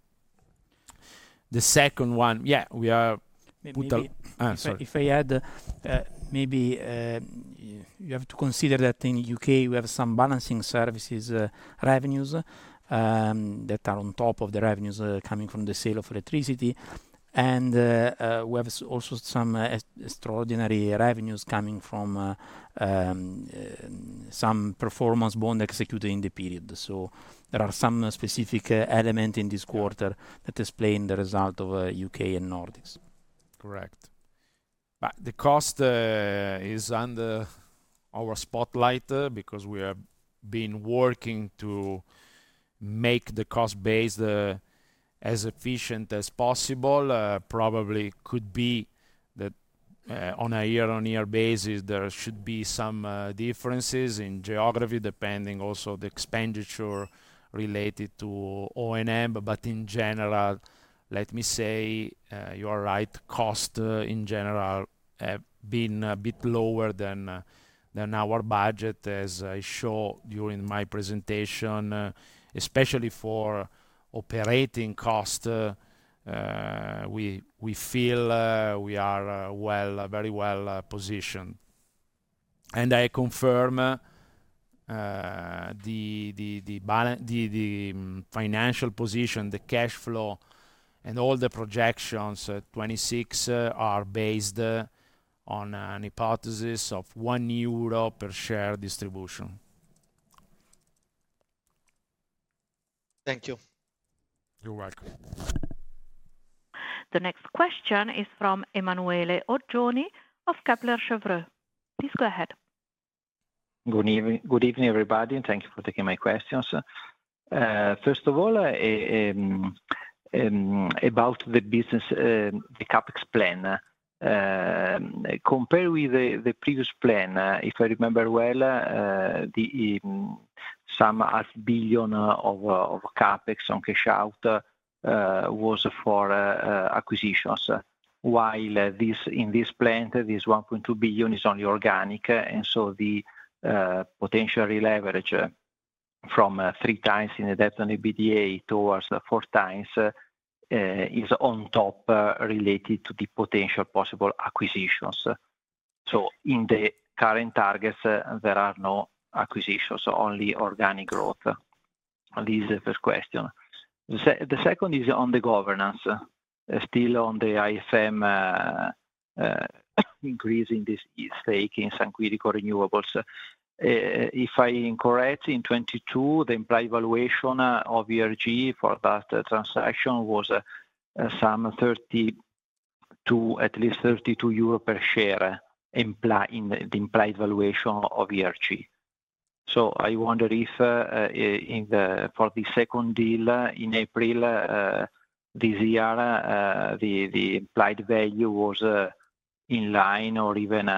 S3: The second one, yeah, we are-
S4: Maybe, maybe-
S3: Uh, sorry.
S4: If I add, maybe, you have to consider that in U.K. we have some balancing services revenues that are on top of the revenues coming from the sale of electricity. And we have also some extraordinary revenues coming from some performance bond executed in the period. So there are some specific element in this quarter that explain the result of U.K. and Nordics.
S3: Correct. But the cost is under our spotlight because we have been working to make the cost base as efficient as possible. Probably could be that on a year-on-year basis, there should be some differences in geography, depending also the expenditure related to O&M. But in general, let me say, you are right, cost in general have been a bit lower than our budget, as I show during my presentation, especially for operating cost, we feel we are well, very well positioned. And I confirm the financial position, the cash flow, and all the projections at 2026 are based on a hypothesis of 1 euro per share distribution.
S10: Thank you.
S3: You're welcome.
S1: The next question is from Emanuele Oggioni of Kepler Cheuvreux. Please go ahead.
S11: Good evening, everybody, and thank you for taking my questions. First of all, about the business, the CapEx plan. Compared with the previous plan, if I remember well, some half billion of CapEx on cash out was for acquisitions. While this, in this plan, this 1.2 billion is only organic, and so the potential re-leverage from 3x debt to EBITDA towards 4x is on top related to the potential possible acquisitions. So in the current targets, there are no acquisitions, only organic growth. This is the first question. The second is on the governance, still on the IFM increase in this stake in SQ Renewables. If I am correct, in 2022, the implied valuation of ERG for that transaction was some 32, at least 32 euro per share, implying in the implied valuation of ERG. So I wonder if, in the... for the second deal, in April this year, the, the implied value was in line or even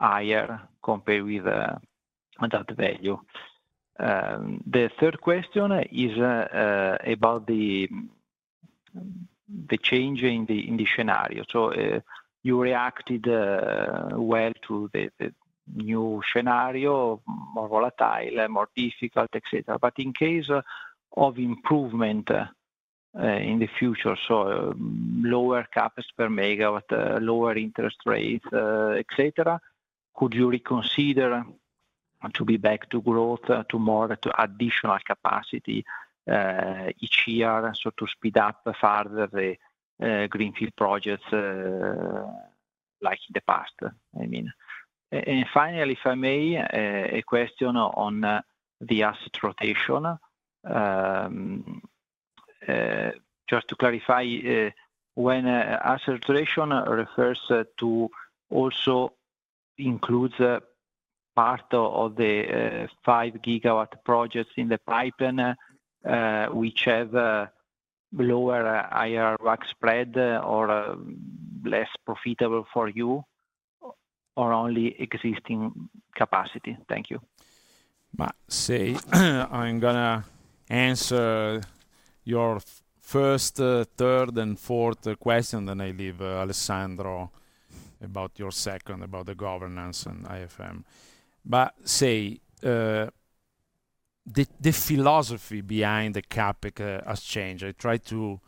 S11: higher compared with, with that value. The third question is about the, the change in the, in the scenario. So, you reacted well to the, the new scenario, more volatile and more difficult, et cetera. But in case of improvement in the future, so lower CapEx per megawatt, lower interest rates, et cetera, could you reconsider-... to be back to growth, to more, to additional capacity, each year, so to speed up further the greenfield projects, like in the past, I mean. And finally, if I may, a question on the asset rotation. Just to clarify, when asset rotation refers to also includes part of the 5 GW projects in the pipeline, which have lower IRR spread or less profitable for you, or only existing capacity? Thank you.
S3: Ma, say, I'm gonna answer your first, third, and fourth question, then I leave Alessandro about your second, about the governance and IFM. But say, the philosophy behind the CapEx has changed. I try to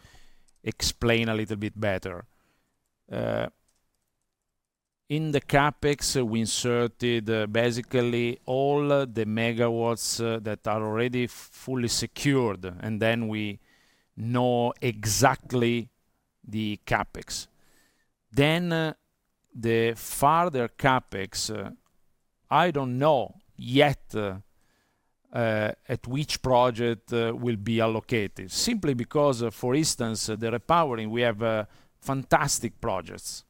S3: explain a little bit better. In the CapEx, we inserted basically all the MW that are already fully secured, and then we know exactly the CapEx. Then, the further CapEx, I don't know yet at which project will be allocated. Simply because, for instance, the repowering, we have fantastic projects.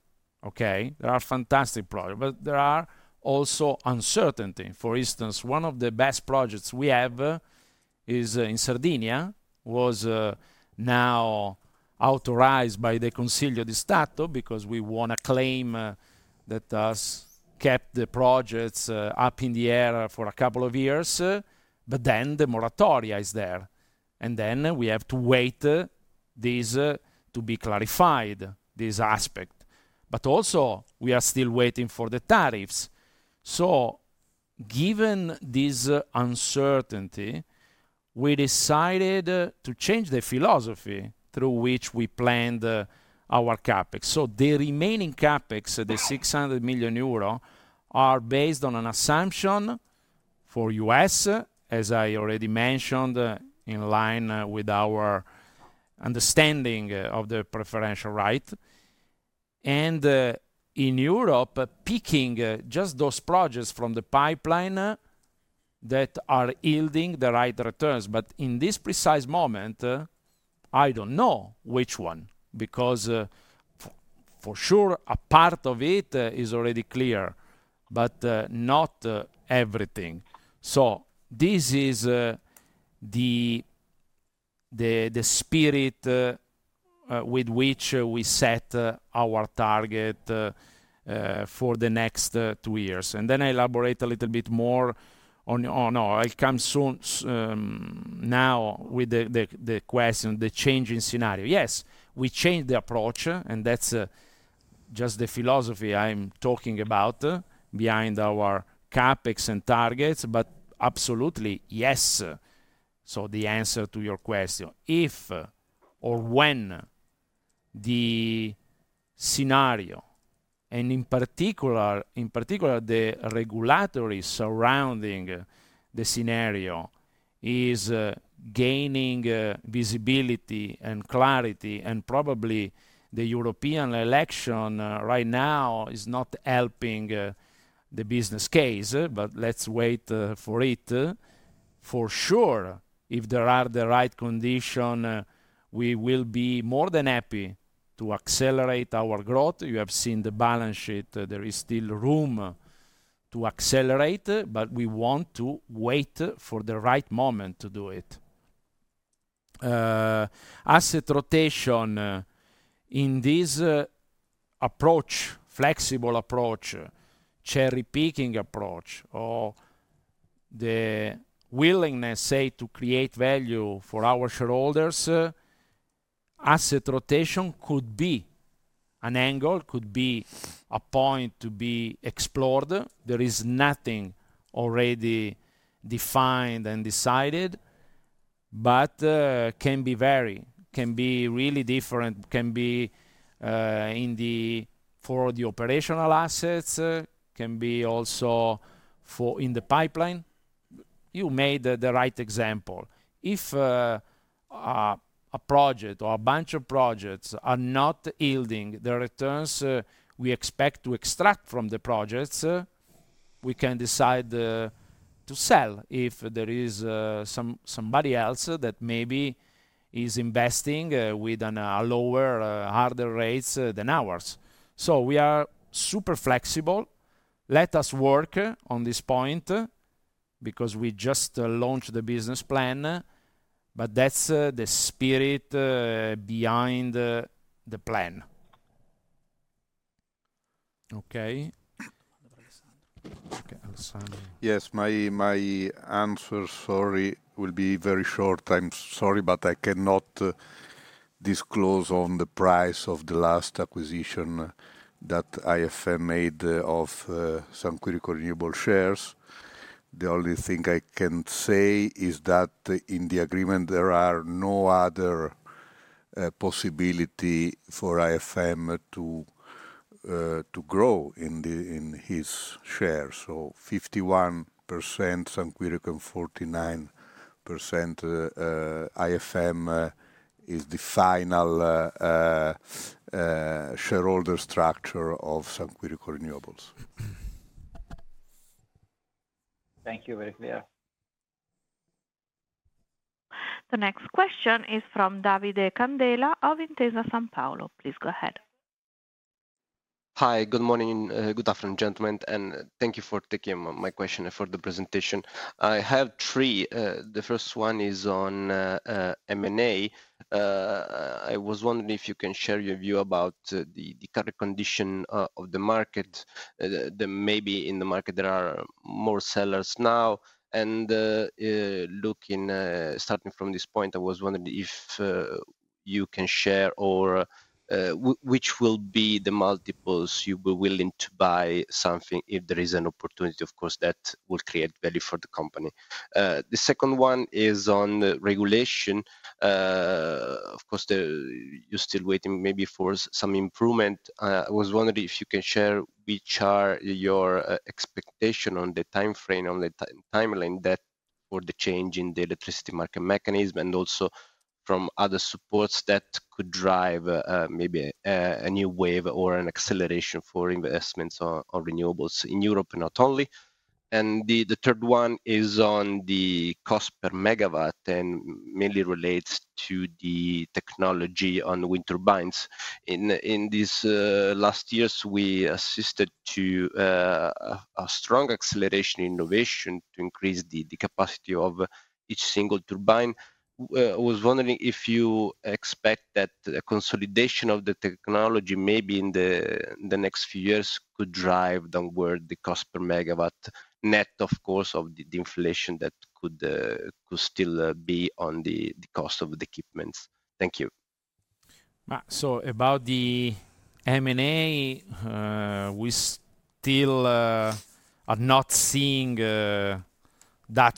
S3: Okay? There are fantastic projects, but there are also uncertainty. For instance, one of the best projects we have, is, in Sardinia, was, now authorized by the Consiglio di Stato because we won a claim, that has kept the projects, up in the air for a couple of years, but then the Moratoria is there, and then we have to wait, this, to be clarified, this aspect. But also, we are still waiting for the tariffs. So given this uncertainty, we decided, to change the philosophy through which we planned, our CapEx. So the remaining CapEx, 600 million euro, are based on an assumption for US, as I already mentioned, in line, with our understanding, of the preferential right. And, in Europe, picking, just those projects from the pipeline, that are yielding the right returns. But in this precise moment, I don't know which one, because, for sure, a part of it is already clear, but not everything. So this is the spirit with which we set our target for the next two years. And then I elaborate a little bit more on... Oh, no, I come soon, now with the question, the changing scenario. Yes, we changed the approach, and that's just the philosophy I'm talking about behind our CapEx and targets, but absolutely, yes. So the answer to your question, if or when the scenario, and in particular the regulatory surrounding the scenario, is gaining visibility and clarity, and probably the European election right now is not helping the business case, but let's wait for it. For sure, if there are the right condition, we will be more than happy to accelerate our growth. You have seen the balance sheet, there is still room to accelerate, but we want to wait for the right moment to do it. Asset rotation, in this approach, flexible approach, cherry-picking approach, or the willingness, say, to create value for our shareholders, asset rotation could be an angle, could be a point to be explored. There is nothing already defined and decided, but can vary, can be really different, can be in the... for the operational assets, can be also for in the pipeline. You made the right example. If a project or a bunch of projects are not yielding the returns we expect to extract from the projects, we can decide to sell if there is somebody else that maybe is investing with a lower hurdle rates than ours. So we are super flexible. Let us work on this point because we just launched the business plan, but that's the spirit behind the plan. Okay. Okay, Alessandro.
S5: Yes, my, my answer, sorry, will be very short. I'm sorry, but I cannot disclose on the price of the last acquisition that IFM made of some critical renewable shares. The only thing I can say is that in the agreement, there are no other-... possibility for IFM to grow in his shares. So 51%, San Quirico 49%, IFM is the final shareholder structure of SQ Renewables.
S1: Thank you, very clear. The next question is from Davide Candela of Intesa Sanpaolo. Please go ahead.
S12: Hi, good morning, good afternoon, gentlemen, and thank you for taking my question and for the presentation. I have three. The first one is on M&A. I was wondering if you can share your view about the current condition of the market. Maybe in the market there are more sellers now, and looking starting from this point, I was wondering if you can share or which will be the multiples you'll be willing to buy something, if there is an opportunity, of course, that will create value for the company. The second one is on regulation. Of course, the... You're still waiting maybe for some improvement. I was wondering if you can share which are your expectation on the timeframe, on the timeline that, or the change in the electricity market mechanism, and also from other supports that could drive, maybe, a new wave or an acceleration for investments on renewables in Europe, and not only. The third one is on the cost per megawatt, and mainly relates to the technology on wind turbines. In these last years, we assisted to a strong acceleration in innovation to increase the capacity of each single turbine. I was wondering if you expect that the consolidation of the technology, maybe in the next few years, could drive downward the cost per megawatt, net, of course, of the inflation that could still be on the cost of the equipment. Thank you.
S3: So about the M&A, we still are not seeing that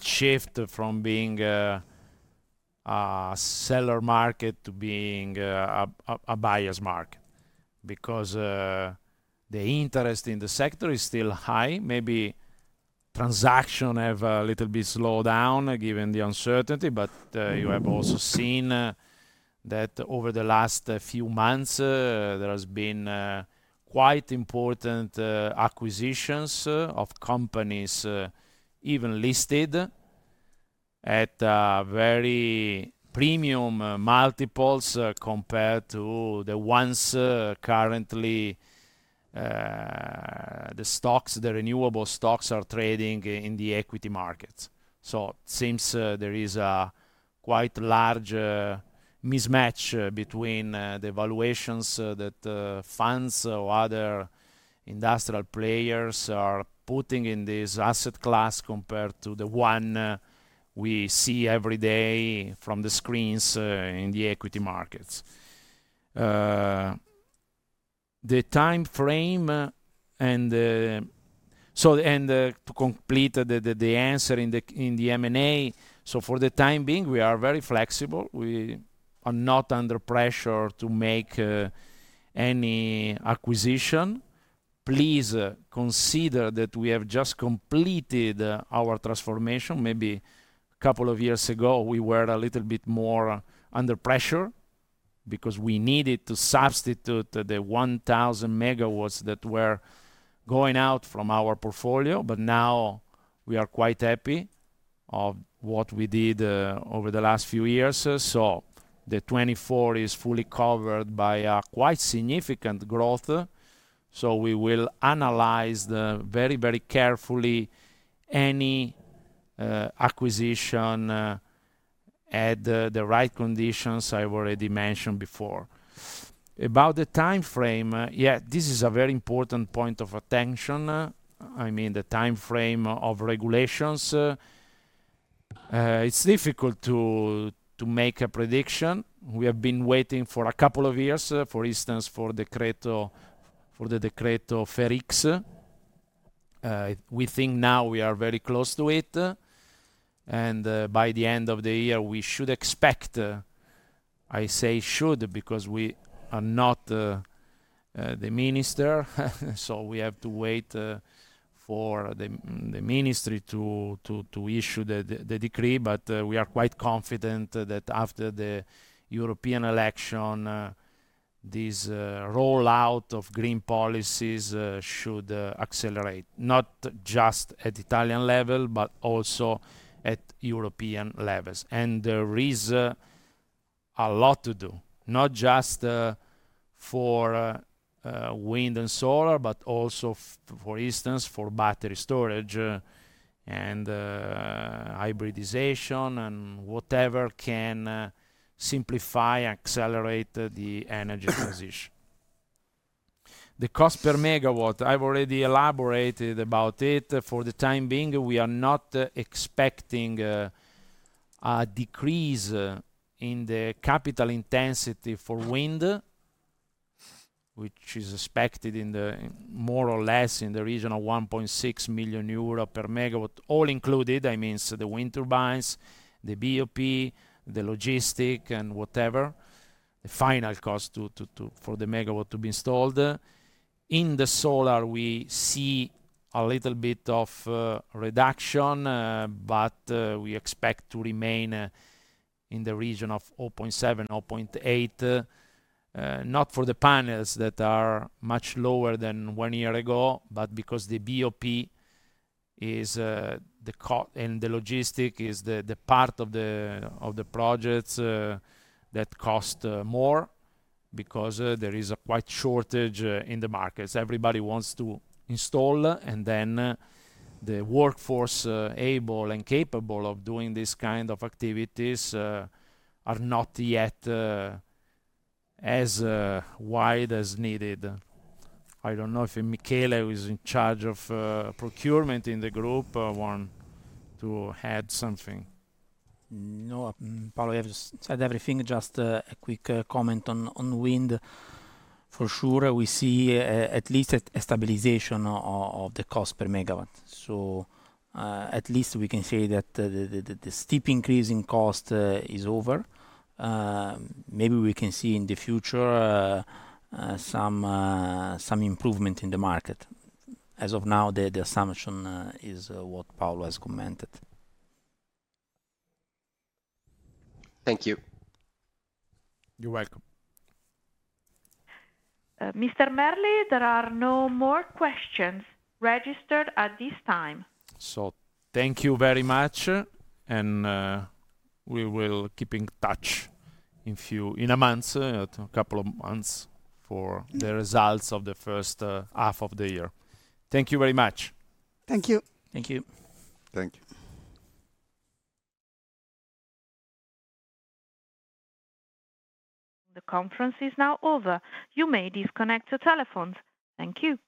S3: shift from being a seller market to being a buyer's market, because the interest in the sector is still high. Maybe transactions have a little bit slowed down, given the uncertainty, but you have also seen that over the last few months, there has been quite important acquisitions of companies, even listed at very premium multiples, compared to the ones currently the stocks, the renewable stocks are trading in the equity markets. So it seems there is a quite large mismatch between the valuations that funds or other industrial players are putting in this asset class, compared to the one we see every day from the screens in the equity markets. To complete the answer in the M&A, for the time being, we are very flexible. We are not under pressure to make any acquisition. Please, consider that we have just completed our transformation. Maybe a couple of years ago, we were a little bit more under pressure because we needed to substitute the 1,000 MW that were going out from our portfolio. But now, we are quite happy of what we did over the last few years. So the 2024 is fully covered by a quite significant growth, so we will analyze very carefully any acquisition at the right conditions I've already mentioned before. About the timeframe, yeah, this is a very important point of attention, I mean, the timeframe of regulations. It's difficult to make a prediction. We have been waiting for a couple of years, for instance, for the Decreto FER X. We think now we are very close to it, and by the end of the year, we should expect. I say should, because we are not the minister, so we have to wait for the ministry to issue the decree. But we are quite confident that after the European election, this rollout of green policies should accelerate, not just at Italian level, but also at European levels. There is a lot to do, not just for wind and solar, but also, for instance, for battery storage, and hybridization, and whatever can simplify and accelerate the energy transition. The cost per megawatt, I've already elaborated about it. For the time being, we are not expecting a decrease in the capital intensity for wind, which is expected in the, more or less, in the region of 1.6 million euro per megawatt, all included. That means the wind turbines, the BOP, the logistic, and whatever, the final cost to, to, to, for the megawatt to be installed. In the solar, we see a little bit of reduction, but we expect to remain in the region of 0.7-0.8. Not for the panels that are much lower than one year ago, but because the BOP is, and the logistic is the, the part of the, of the projects, that cost, more because, there is a wide shortage, in the markets. Everybody wants to install, and then, the workforce, able and capable of doing this kind of activities, are not yet, as, wide as needed. I don't know if Michele, who is in charge of, procurement in the group, want to add something?
S4: No, Paolo, you have just said everything. Just a quick comment on wind. For sure, we see at least a stabilization of the cost per megawatt. So, at least we can say that the steep increase in cost is over. Maybe we can see in the future some improvement in the market. As of now, the assumption is what Paolo has commented.
S12: Thank you.
S3: You're welcome.
S1: Mr. Merli, there are no more questions registered at this time.
S3: Thank you very much, and we will keep in touch in a month, a couple of months, for-
S4: Mm.
S3: the results of the first half of the year. Thank you very much.
S5: Thank you.
S4: Thank you.
S2: Thank you.
S1: The conference is now over. You may disconnect your telephones. Thank you.